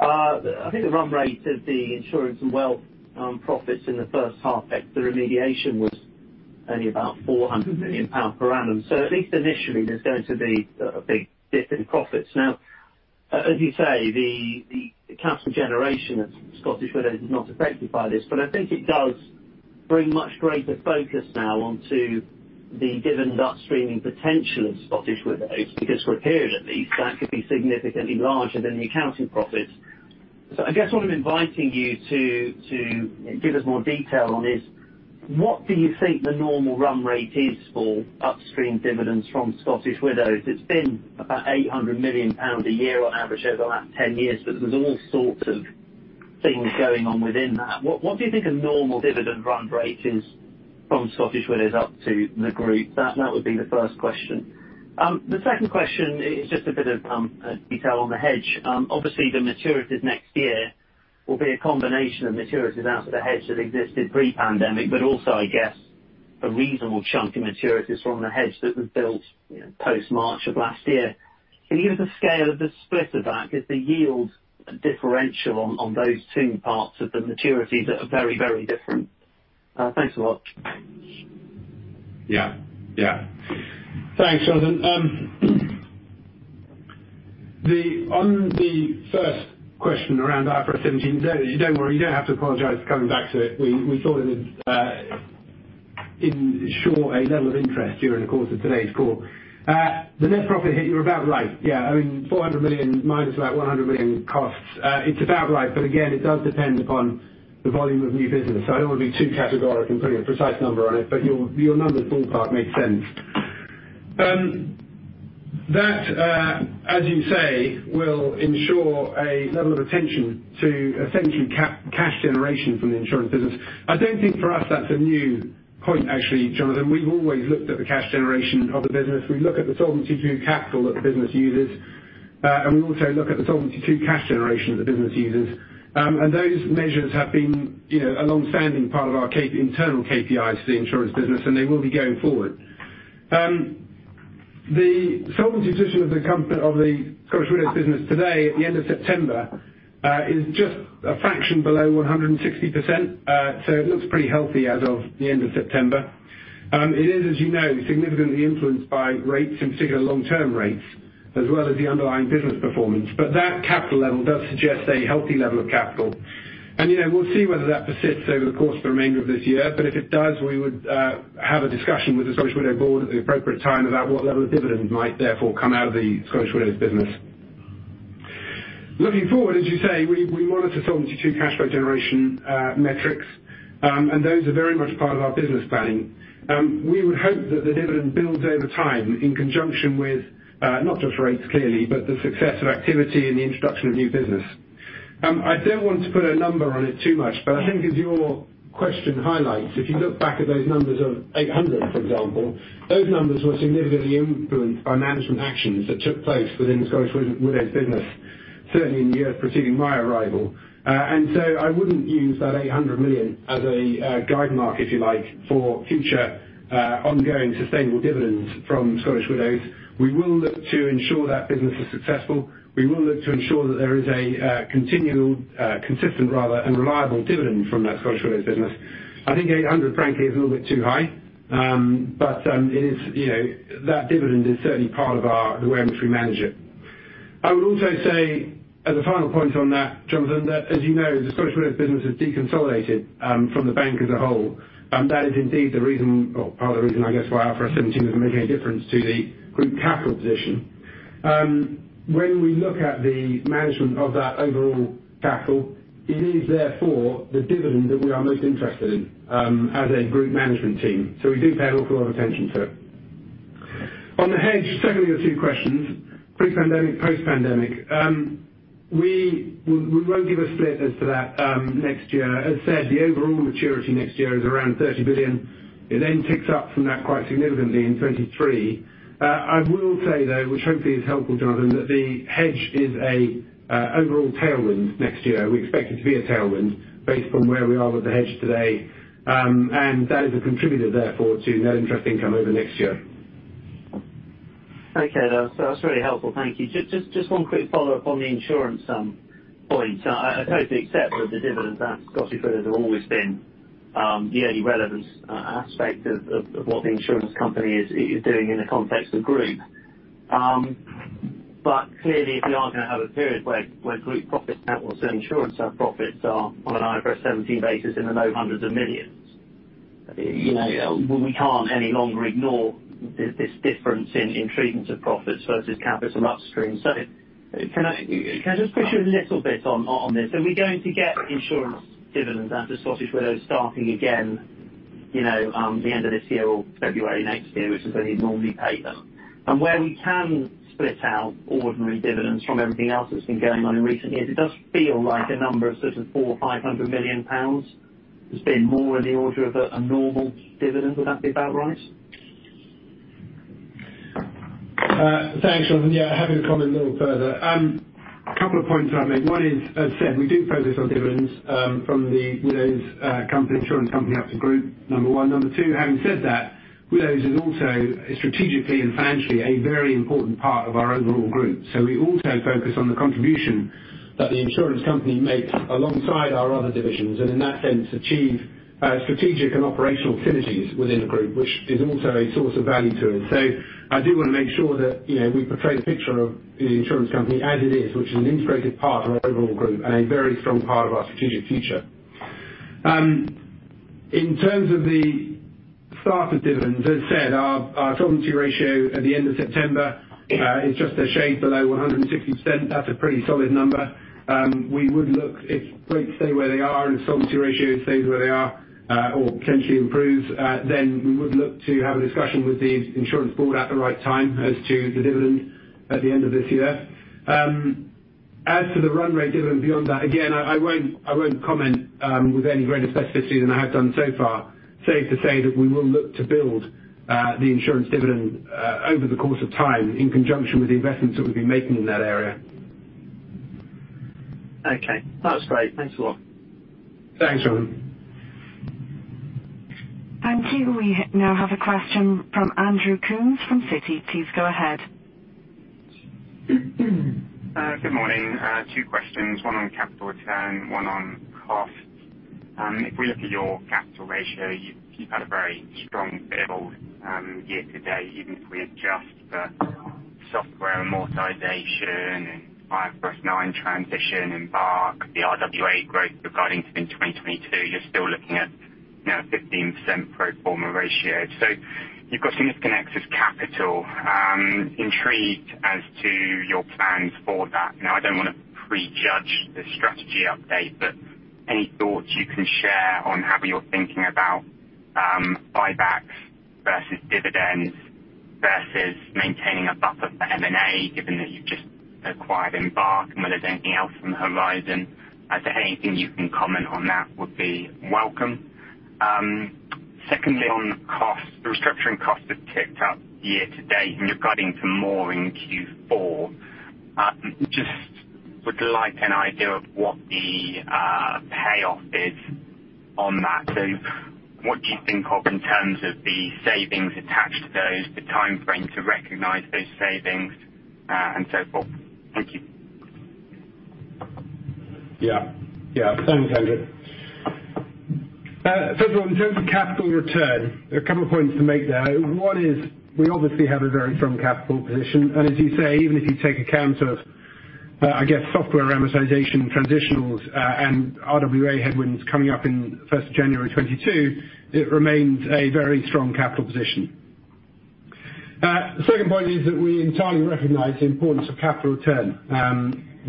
I think the run rate of the insurance and wealth profits in the first half at the remediation was only about 400 million pounds per annum. At least initially, there's going to be a big dip in profits. Now, as you say, the capital generation of Scottish Widows is not affected by this, but I think it does bring much greater focus now onto the dividend upstreaming potential of Scottish Widows, because for a period at least, that could be significantly larger than the accounting profits. I guess what I'm inviting you to give us more detail on is what do you think the normal run rate is for upstream dividends from Scottish Widows? It's been about 800 million pounds a year on average over the last 10 years, but there's all sorts of things going on within that. What do you think a normal dividend run rate is from Scottish Widows up to the group? That would be the first question. The second question is just a bit of detail on the hedge. Obviously, the maturities next year will be a combination of maturities out of the hedge that existed pre-pandemic, but also, I guess a reasonable chunk of maturities from the hedge that was built, you know, post-March of last year. Can you give us a scale of the split of that? Is the yield differential on those two parts of the maturities that are very, very different? Thanks a lot. Thanks, Jonathan. On the first question around IFRS 17, don't worry. You don't have to apologize for coming back to it. We thought it would ensure a level of interest during the course of today's call. The net profit hit, you're about right. I mean, 400 million minus about 100 million costs. It's about right. Again, it does depend upon the volume of new business. I don't wanna be too categorical in putting a precise number on it, but your numbers ballpark make sense. That, as you say, will ensure a level of attention to essentially cash generation from the insurance business. I don't think for us that's a new point, actually, Jonathan. We've always looked at the cash generation of the business. We look at the Solvency II capital that the business uses, and we also look at the Solvency II cash generation that the business uses. Those measures have been, you know, a long-standing part of our key internal KPIs to the insurance business, and they will be going forward. The solvency position of the company's Scottish Widows business today at the end of September is just a fraction below 160%. It looks pretty healthy as of the end of September. It is, as you know, significantly influenced by rates, in particular long-term rates, as well as the underlying business performance. That capital level does suggest a healthy level of capital. You know, we'll see whether that persists over the course of the remainder of this year, but if it does, we would have a discussion with the Scottish Widows board at the appropriate time about what level of dividends might therefore come out of the Scottish Widows business. Looking forward, as you say, we monitor Solvency II cash flow generation metrics, and those are very much part of our business planning. We would hope that the dividend builds over time in conjunction with, not just rates clearly, but the success of activity and the introduction of new business. I don't want to put a number on it too much, but I think as your question highlights, if you look back at those numbers of 800 million, for example, those numbers were significantly influenced by management actions that took place within the Scottish Widows business, certainly in the years preceding my arrival. I wouldn't use that 800 million as a guide mark, if you like, for future ongoing sustainable dividends from Scottish Widows. We will look to ensure that business is successful. We will look to ensure that there is a consistent rather and reliable dividend from that Scottish Widows business. I think 800 million frankly is a little bit too high. It is, you know, that dividend is certainly part of our the way in which we manage it. I would also say as a final point on that, Jonathan, that, as you know, the Scottish Widows business is deconsolidated from the bank as a whole, and that is indeed the reason or part of the reason, I guess, why IFRS 17 isn't making a difference to the group capital position. When we look at the management of that overall capital, it is therefore the dividend that we are most interested in as a group management team. We do pay an awful lot of attention to it. On the hedge, secondly of two questions, pre-pandemic, post-pandemic. We won't give a split as to that next year. As said, the overall maturity next year is around 30 billion. It then ticks up from that quite significantly in 2023.I will say though, which hopefully is helpful, Jonathan, that the hedge is an overall tailwind next year. We expect it to be a tailwind based on where we are with the hedge today, and that is a contributor therefore to net interest income over next year. Okay, that's really helpful. Thank you. Just one quick follow-up on the insurance point. I totally accept that the dividends at Scottish Widows have always been the only relevant aspect of what the insurance company is doing in the context of Group. Clearly, if we are gonna have a period where group profits and also insurance profits are on an IFRS 17 basis in the low hundreds of millions GBP, you know, we can't any longer ignore this difference in treatment of profits versus capital upstream. Can I just push you a little bit on this? Are we going to get insurance dividends out of Scottish Widows starting again, you know, the end of this year or February next year, which is when you'd normally pay them? Where we can split out ordinary dividends from everything else that's been going on in recent years, it does feel like a number of sort of 400 million-500 million pounds has been more in the order of a normal dividend. Would that be about right? Thanks, Jonathan. Yeah, happy to comment a little further. Couple of points I'd make. One is, as said, we do focus on dividends from the Widows company, insurance company up to group, number one. Number two, having said that, Widows is also strategically and financially a very important part of our overall group. We also focus on the contribution that the insurance company makes alongside our other divisions, and in that sense, achieve strategic and operational synergies within the group, which is also a source of value to us. I do wanna make sure that, you know, we portray the picture of the insurance company as it is, which is an integrated part of our overall group and a very strong part of our strategic future. In terms of the start of dividends, as I said, our solvency ratio at the end of September is just a shade below 160%. That's a pretty solid number. We would look if rates stay where they are and solvency ratio stays where they are, or potentially improves, then we would look to have a discussion with the insurance board at the right time as to the dividend at the end of this year. As to the run rate dividend beyond that, again, I won't comment with any greater specificity than I have done so far. Safe to say that we will look to build the insurance dividend over the course of time in conjunction with the investments that we've been making in that area. Okay. That's great. Thanks a lot. Thanks, Jonathan. Thank you. We now have a question from Andrew Coombs from Citi. Please go ahead. Good morning. Two questions. One on capital return, one on costs. If we look at your capital ratio, you've had a very strong 12 months year-to-date. Even if we adjust for software amortization and IFRS 9 transition and Embark, the RWA growth you're guiding to in 2022, you're still looking at. Now 15% pro forma ratio. You've got significant excess capital. Intrigued as to your plans for that. I don't want to prejudge the strategy update, but any thoughts you can share on how you're thinking about buybacks versus dividends versus maintaining a buffer for M&A, given that you've just acquired Embark and whether there's anything else on the horizon. Anything you can comment on that would be welcome. Secondly, on costs. The restructuring costs have ticked up year-to-date, and you're guiding for more in Q4. Just would like an idea of what the payoff is on that. What do you think of in terms of the savings attached to those, the time frame to recognize those savings, and so forth? Thank you. Yeah. Thanks, Andrew. In terms of capital return, there are a couple of points to make there. One is we obviously have a very strong capital position. As you say, even if you take account of, I guess software amortization transitionals, and RWA headwinds coming up in the first of January 2022, it remains a very strong capital position. The second point is that we entirely recognize the importance of capital return.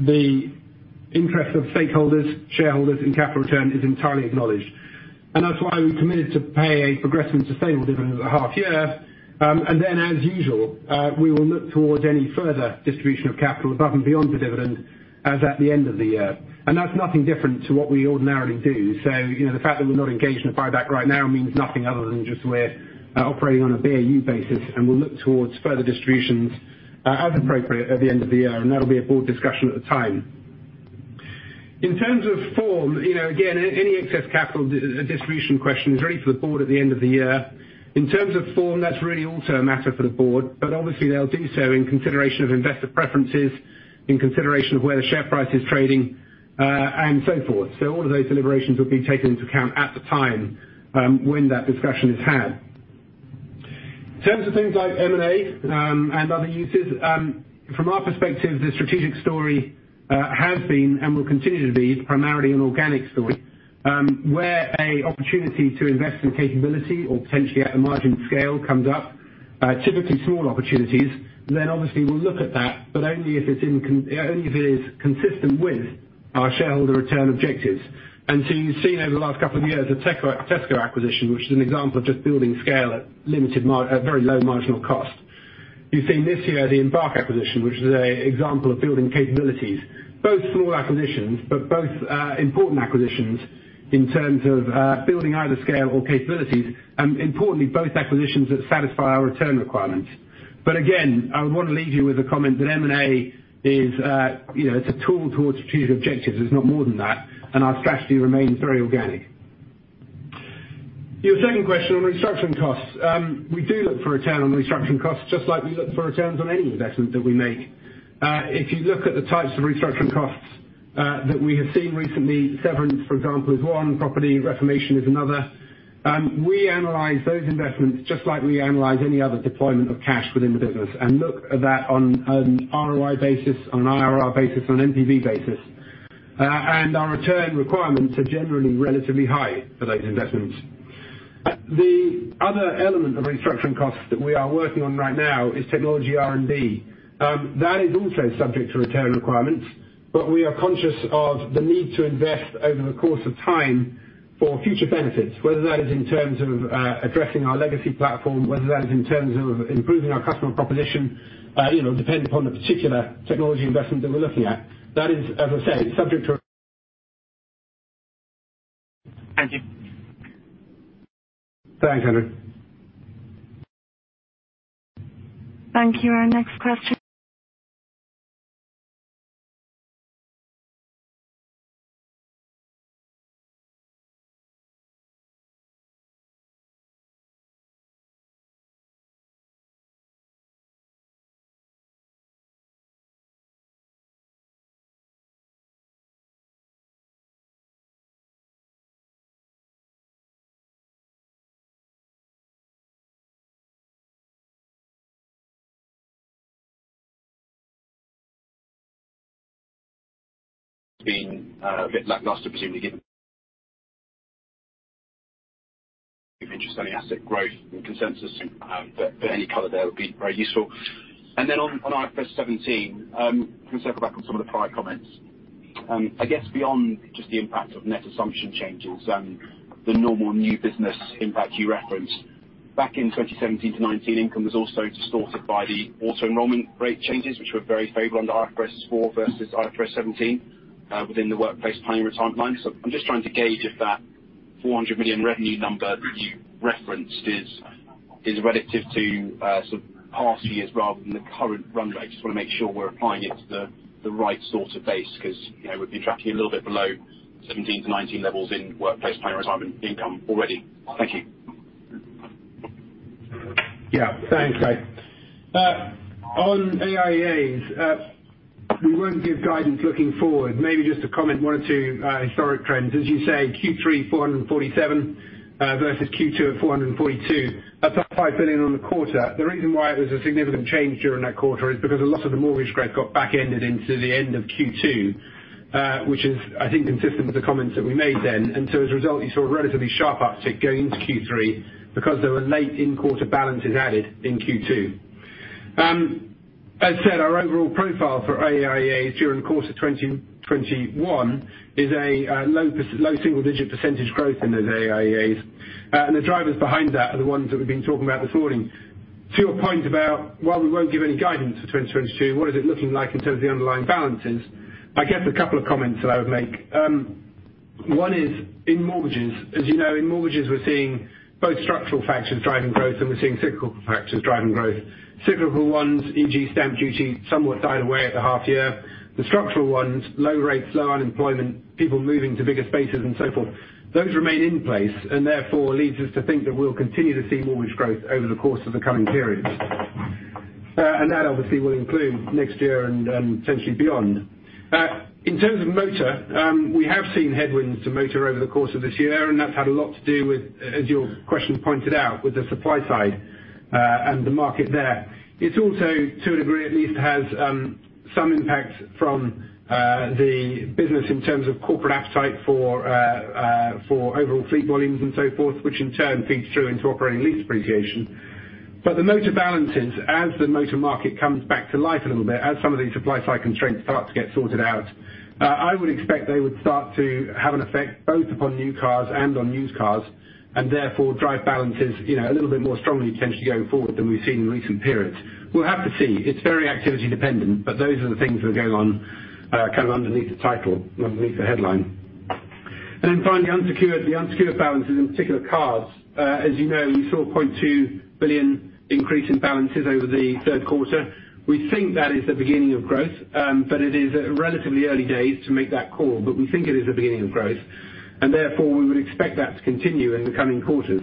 The interest of stakeholders, shareholders in capital return is entirely acknowledged. That's why we committed to pay a progressive and sustainable dividend at the half year. As usual, we will look towards any further distribution of capital above and beyond the dividend as at the end of the year. That's nothing different to what we ordinarily do. You know, the fact that we're not engaged in a buyback right now means nothing other than just we're operating on a BAU basis, and we'll look towards further distributions as appropriate at the end of the year, and that'll be a board discussion at the time. In terms of form, you know, again, any excess capital distribution question is really for the board at the end of the year. In terms of form, that's really also a matter for the board, but obviously they'll do so in consideration of investor preferences, in consideration of where the share price is trading, and so forth. All of those deliberations will be taken into account at the time when that discussion is had. In terms of things like M&A and other uses, from our perspective, the strategic story has been and will continue to be primarily an organic story. Where a opportunity to invest in capability or potentially at the margin scale comes up, typically small opportunities, then obviously we'll look at that, but only if it is consistent with our shareholder return objectives. You've seen over the last couple of years the Tesco acquisition, which is an example of just building scale at very low marginal cost. You've seen this year the Embark acquisition, which is a example of building capabilities. Both small acquisitions, but both important acquisitions in terms of building either scale or capabilities, and importantly, both acquisitions that satisfy our return requirements. Again, I would want to leave you with a comment that M&A is, it's a tool towards strategic objectives. It's not more than that. Our strategy remains very organic. Your second question on restructuring costs. We do look for return on restructuring costs, just like we look for returns on any investment that we make. If you look at the types of restructuring costs that we have seen recently, severance, for example, is one, property reformation is another. We analyze those investments just like we analyze any other deployment of cash within the business and look at that on an ROI basis, on an IRR basis, on an NPV basis. Our return requirements are generally relatively high for those investments. The other element of restructuring costs that we are working on right now is technology R&D. That is also subject to return requirements, but we are conscious of the need to invest over the course of time for future benefits, whether that is in terms of addressing our legacy platform, whether that is in terms of improving our customer proposition, you know, depending upon the particular technology investment that we're looking at. That is, as I say, subject to. Thank you. Thanks, Andrew. Thank you. Our next question. It's been a bit lackluster, presumably given interest-earning asset growth and consensus, but any color there would be very useful. On IFRS 17, can circle back on some of the prior comments. I guess beyond just the impact of net assumption changes and the normal new business impact you referenced. Back in 2017-2019 income was also distorted by the auto-enrollment rate changes, which were very favorable under IFRS 4 versus IFRS 17, within the workplace planning retirement line. I'm just trying to gauge if that 400 million revenue number that you referenced is relative to sort of past years rather than the current run rate. Just want to make sure we're applying it to the right sort of base because, you know, we've been tracking a little bit below 2017-2019 levels in workplace planning retirement income already. Thank you. Yeah. Thanks, Guy. On AIEAs, we won't give guidance looking forward. Maybe just to comment on one or two historic trends. As you say, Q3 447 versus Q2 at 442. That's up 5 billion on the quarter. The reason why there's a significant change during that quarter is because a lot of the mortgage growth got back-ended into the end of Q2, which is, I think, consistent with the comments that we made then. As a result, you saw a relatively sharp uptick going into Q3 because there were late in quarter balances added in Q2. As said, our overall profile for AIEAs during the course of 2021 is a low single-digit percentage growth in those AIEAs. The drivers behind that are the ones that we've been talking about this morning. To your point about while we won't give any guidance for 2022, what is it looking like in terms of the underlying balances? I guess a couple of comments that I would make. One is in mortgages. As you know, in mortgages we're seeing both structural factors driving growth and we're seeing cyclical factors driving growth. Cyclical ones, e.g., stamp duty, somewhat died away at the half year. The structural ones, low rates, low unemployment, people moving to bigger spaces and so forth, those remain in place and therefore leads us to think that we'll continue to see mortgage growth over the course of the coming periods. That obviously will include next year and, potentially beyond. In terms of motor, we have seen headwinds to motor over the course of this year, and that's had a lot to do with, as your question pointed out, with the supply side, and the market there. It also, to a degree at least, has some impact from the business in terms of corporate appetite for overall fleet volumes and so forth, which in turn feeds through into operating lease appreciation. The motor balances as the motor market comes back to life a little bit, as some of these supply side constraints start to get sorted out, I would expect they would start to have an effect both upon new cars and on used cars, and therefore drive balances, you know, a little bit more strongly potentially going forward than we've seen in recent periods. We'll have to see. It's very activity dependent, but those are the things that are going on, kind of underneath the title and underneath the headline. Then finally, unsecured, the unsecured balances, in particular cards. As you know, we saw 0.2 billion increase in balances over the third quarter. We think that is the beginning of growth, but it is at relatively early days to make that call. We think it is the beginning of growth and therefore we would expect that to continue in the coming quarters.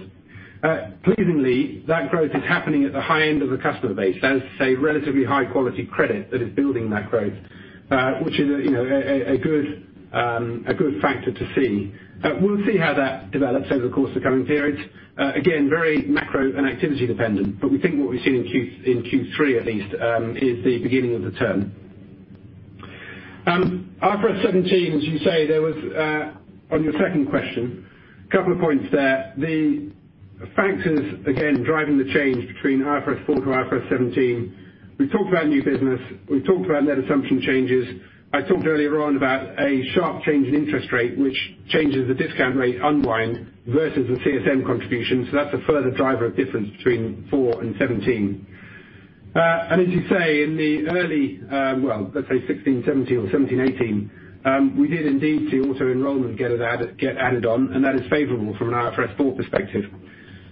Pleasingly, that growth is happening at the high end of the customer base. That is to say, relatively high quality credit that is building that growth, which is, you know, a good factor to see. We'll see how that develops over the course of the coming periods. Again, very macro and activity dependent, but we think what we've seen in Q3 at least is the beginning of the turn. IFRS 17 theme, as you say, there was on your second question a couple of points there. The factors again driving the change between IFRS 4-IFRS 17. We talked about new business. We talked about net assumption changes. I talked earlier on about a sharp change in interest rate, which changes the discount rate unwind versus the CSM contribution. So that's a further driver of difference between four and seventeen. As you say, in the early, well, let's say 2016, 2017 or 2017, 2018, we did indeed see auto-enrollment get added on, and that is favorable from an IFRS 4 perspective.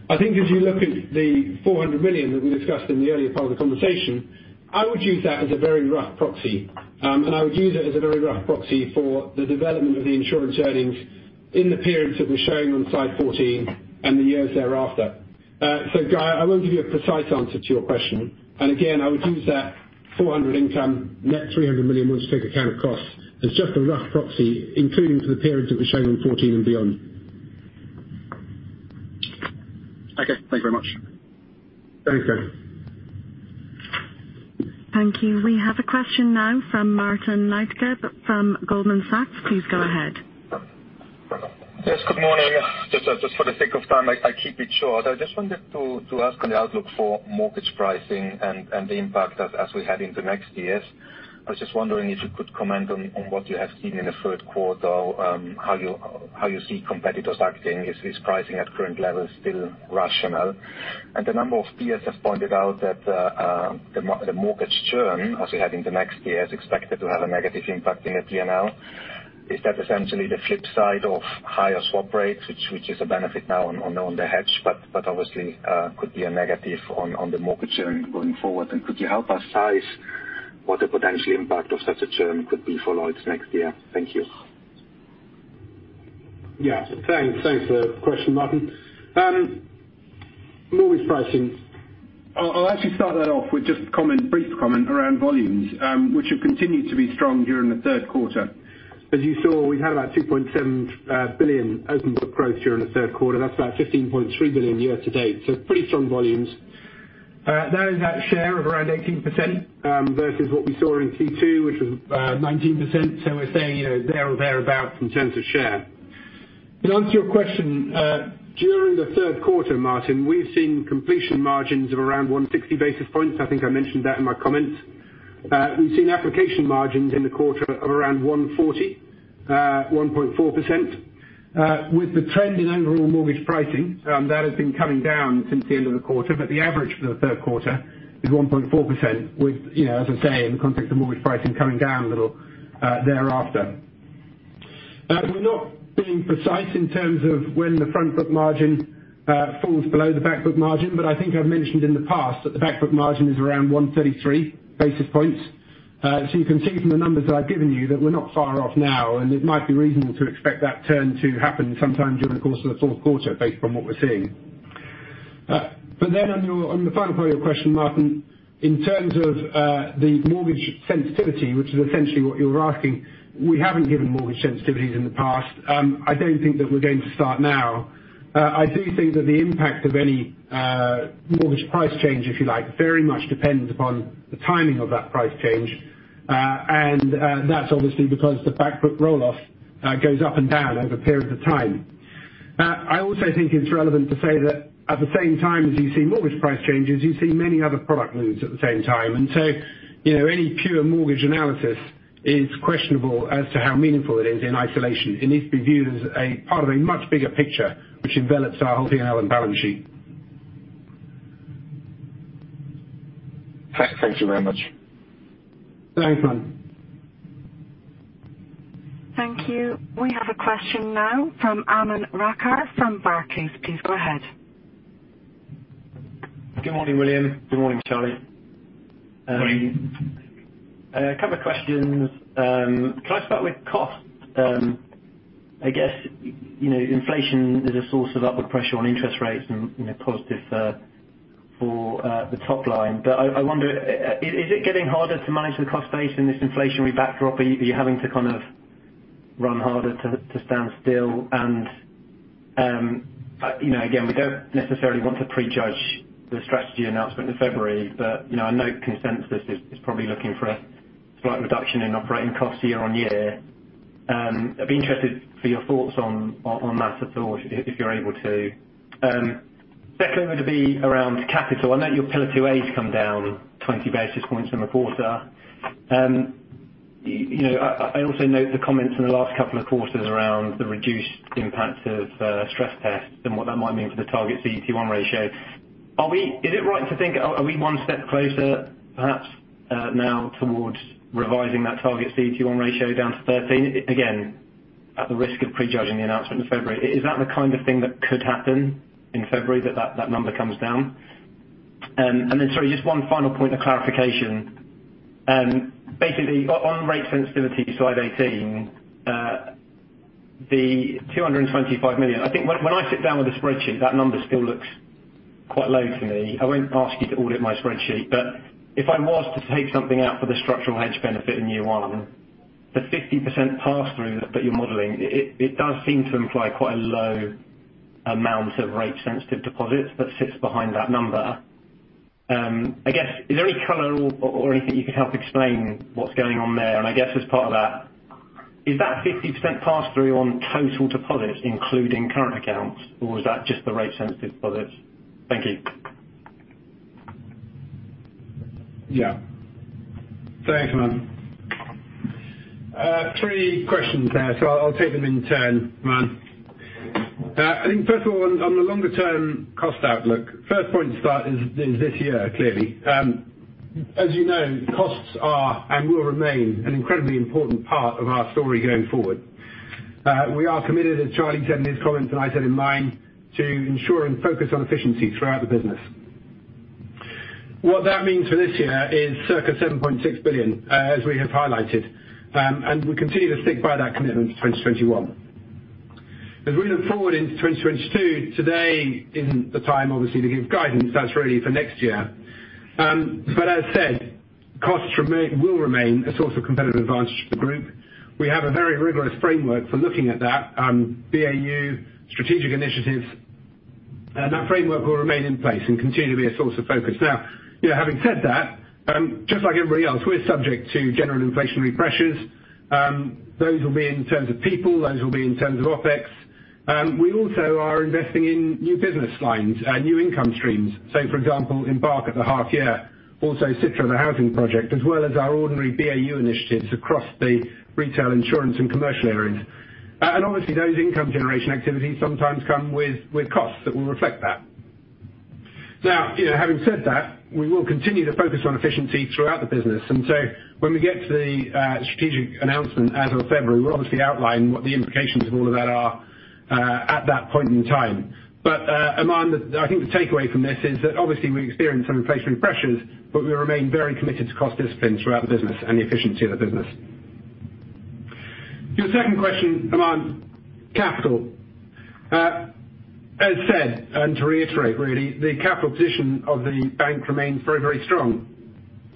I think if you look at the 400 million that we discussed in the earlier part of the conversation, I would use that as a very rough proxy. I would use it as a very rough proxy for the development of the insurance earnings in the periods that we're showing on slide 14 and the years thereafter. Guy, I won't give you a precise answer to your question. Again, I would use that 400 million income net 300 million once you take account of costs as just a rough proxy, including for the periods that we're showing on 14 and beyond. Okay, thank you very much. Thanks, Guy. Thank you. We have a question now from Martin Leitgeb from Goldman Sachs. Please go ahead. Yes, good morning. Just for the sake of time, I keep it short. I just wanted to ask on the outlook for mortgage pricing and the impact as we head into next year. I was just wondering if you could comment on what you have seen in the third quarter, how you see competitors acting. Is pricing at current levels still rational? The number of peers have pointed out that the mortgage churn as we head into next year is expected to have a negative impact in the TNAV. Is that essentially the flip side of higher swap rates, which is a benefit now on the hedge, but obviously could be a negative on the mortgage churn going forward? Could you help us size what the potential impact of such a churn could be for Lloyds next year? Thank you. Yeah, thanks. Thanks for the question, Martin. Mortgage pricing, I'll actually start that off with just a comment, brief comment around volumes, which have continued to be strong during the third quarter. As you saw, we had about 2.7 billion open book growth during the third quarter. That's about 15.3 billion year-to-date. So pretty strong volumes. That is at share of around 18%, versus what we saw in Q2, which was 19%. So we're staying, you know, there or thereabout in terms of share. To answer your question, during the third quarter, Martin, we've seen completion margins of around 160 basis points. I think I mentioned that in my comments. We've seen application margins in the quarter of around 1.4%. With the trend in overall mortgage pricing, that has been coming down since the end of the quarter. The average for the third quarter is 1.4% with, you know, as I say, in the context of mortgage pricing coming down a little, thereafter. We're not being precise in terms of when the front book margin falls below the back book margin, but I think I've mentioned in the past that the back book margin is around 133 basis points. You can see from the numbers that I've given you that we're not far off now, and it might be reasonable to expect that turn to happen sometime during the course of the fourth quarter based on what we're seeing. On the final part of your question, Martin, in terms of the mortgage sensitivity, which is essentially what you were asking, we haven't given mortgage sensitivities in the past. I don't think that we're going to start now. I do think that the impact of any mortgage price change, if you like, very much depends upon the timing of that price change. That's obviously because the back book roll-off goes up and down over periods of time. I also think it's relevant to say that at the same time as you see mortgage price changes, you see many other product moves at the same time. You know, any pure mortgage analysis is questionable as to how meaningful it is in isolation. It needs to be viewed as a part of a much bigger picture which envelops our whole thing on our balance sheet. Thank you very much. Thanks, man. Thank you. We have a question now from Aman Rakkar from Barclays. Please go ahead. Good morning, William. Good morning, Charlie. Morning. A couple of questions. Can I start with costs? I guess, you know, inflation is a source of upward pressure on interest rates and, you know, positive for the top line. I wonder, is it getting harder to manage the cost base in this inflationary backdrop? Are you having to kind of run harder to stand still? You know, again, we don't necessarily want to pre-judge the strategy announcement in February, but, you know, I know consensus is probably looking for a slight reduction in operating costs year-on-year. I'd be interested for your thoughts on that at all if you're able to. Secondly would be around capital. I know your Pillar 2A has come down 20 basis points in the quarter. You know, I also note the comments in the last couple of quarters around the reduced impact of stress tests and what that might mean for the target CET1 ratio. Is it right to think we are one step closer, perhaps now, towards revising that target CET1 ratio down to 13? Again, at the risk of pre-judging the announcement in February, is that the kind of thing that could happen in February, that number comes down? Sorry, just one final point of clarification. Basically on rate sensitivity, slide 18, the 225 million. I think when I sit down with a spreadsheet, that number still looks quite low to me. I won't ask you to audit my spreadsheet, but if I was to take something out for the structural hedge benefit in year one, the 50% pass-through that you're modeling, it does seem to imply quite a low amount of rate sensitive deposits that sits behind that number. I guess is there any color or anything you could help explain what's going on there? I guess as part of that, is that 50% pass-through on total deposits including current accounts, or is that just the rate sensitive deposits? Thank you. Yeah. Thanks, man. Three questions there, so I'll take them in turn, man. I think first of all, on the longer term cost outlook, first point to start is this year clearly. As you know, costs are and will remain an incredibly important part of our story going forward. We are committed, as Charlie said in his comments and I said in mine, to ensure and focus on efficiency throughout the business. What that means for this year is circa 7.6 billion, as we have highlighted. We continue to stick by that commitment to 2021. As we look forward into 2022, today isn't the time obviously to give guidance. That's really for next year. But as said, costs will remain a source of competitive advantage for the group. We have a very rigorous framework for looking at that, BAU strategic initiatives. That framework will remain in place and continue to be a source of focus. Now, you know, having said that, just like everybody else, we're subject to general inflationary pressures. Those will be in terms of people, those will be in terms of OpEx. We also are investing in new business lines, new income streams. For example, Embark at the half year, also Citra Living the housing project, as well as our ordinary BAU initiatives across the retail, insurance, and commercial areas. Obviously those income generation activities sometimes come with costs that will reflect that. Now, you know, having said that, we will continue to focus on efficiency throughout the business. When we get to the strategic announcement as of February, we'll obviously outline what the implications of all of that are at that point in time. Aman, I think the takeaway from this is that obviously we experience some inflationary pressures, but we remain very committed to cost discipline throughout the business and the efficiency of the business. Your second question, Aman, capital. As said, and to reiterate really, the capital position of the bank remains very, very strong.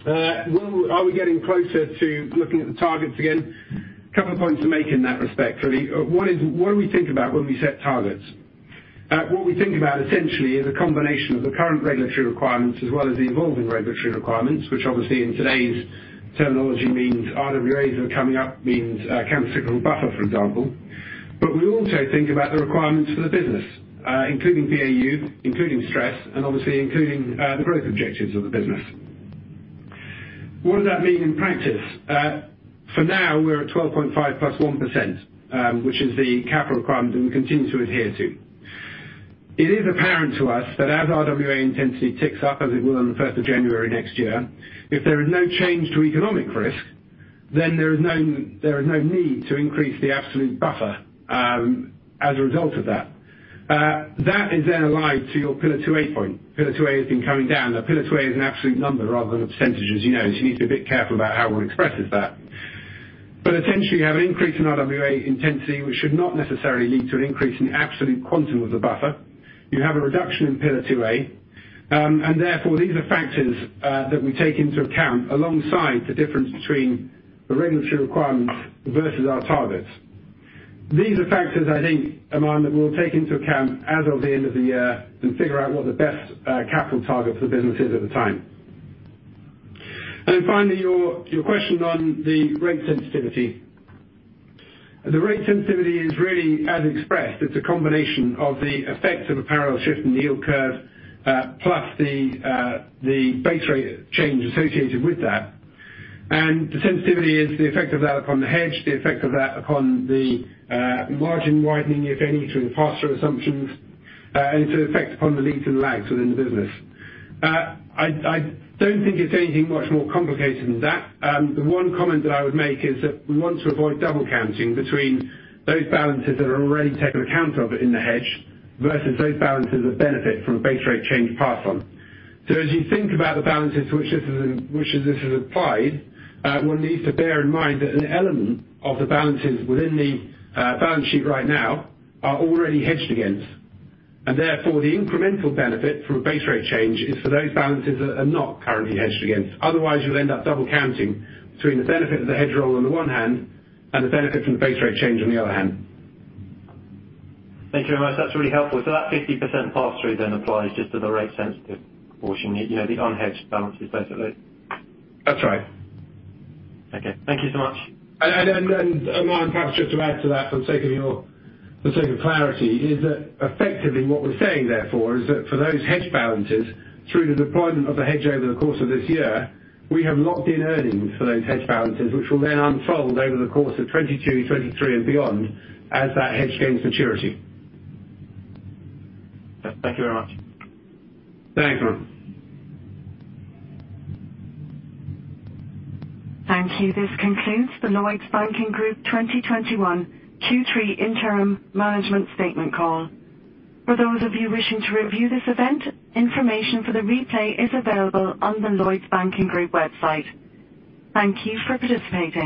Are we getting closer to looking at the targets again? Couple of points to make in that respect, really. What do we think about when we set targets? What we think about essentially is a combination of the current regulatory requirements as well as the evolving regulatory requirements, which obviously in today's terminology means RWAs are coming up, means countercyclical buffer, for example. We also think about the requirements for the business, including BAU, including stress, and obviously including the growth objectives of the business. What does that mean in practice? For now, we're at 12.5% +1%, which is the capital requirement that we continue to adhere to. It is apparent to us that as RWA intensity ticks up as it will on the first of January next year, if there is no change to economic risk, then there is no need to increase the absolute buffer as a result of that. That is then allied to your Pillar 2A point. Pillar 2A has been coming down. Now Pillar 2A is an absolute number rather than a percentage as you know, so you need to be a bit careful about how one expresses that. Essentially, you have an increase in RWA intensity, which should not necessarily lead to an increase in absolute quantum of the buffer. You have a reduction in Pillar 2A. And therefore these are factors that we take into account alongside the difference between the regulatory requirements versus our targets. These are factors I think, Aman, that we'll take into account as of the end of the year and figure out what the best capital target for the business is at the time. Finally, your question on the rate sensitivity. The rate sensitivity is really as expressed. It's a combination of the effects of a parallel shift in the yield curve, plus the base rate change associated with that. The sensitivity is the effect of that upon the hedge, the effect of that upon the margin widening, if any, through the pass-through assumptions, and it's the effect upon the leads and lags within the business. I don't think it's anything much more complicated than that. The one comment that I would make is that we want to avoid double counting between those balances that are already taken into account in the hedge versus those balances that benefit from base rate change pass on. As you think about the balances to which this has applied, one needs to bear in mind that an element of the balances within the balance sheet right now are already hedged against. Therefore, the incremental benefit from a base rate change is for those balances that are not currently hedged against. Otherwise, you'll end up double counting between the benefit of the hedge roll on the one hand and the benefit from the base rate change on the other hand. Thank you very much. That's really helpful. That 50% pass through then applies just to the rate sensitive portion, you know, the unhedged balances, basically. That's right. Okay, thank you so much. Aman, perhaps just to add to that for the sake of clarity, is that effectively what we're saying therefore, is that for those hedged balances, through the deployment of the hedge over the course of this year, we have locked in earnings for those hedged balances, which will then unfold over the course of 2022, 2023 and beyond as that hedge gains maturity. Thank you very much. Thanks. Thank you. This concludes the Lloyds Banking Group 2021 Q3 Interim Management Statement Call. For those of you wishing to review this event, information for the replay is available on the Lloyds Banking Group website. Thank you for participating.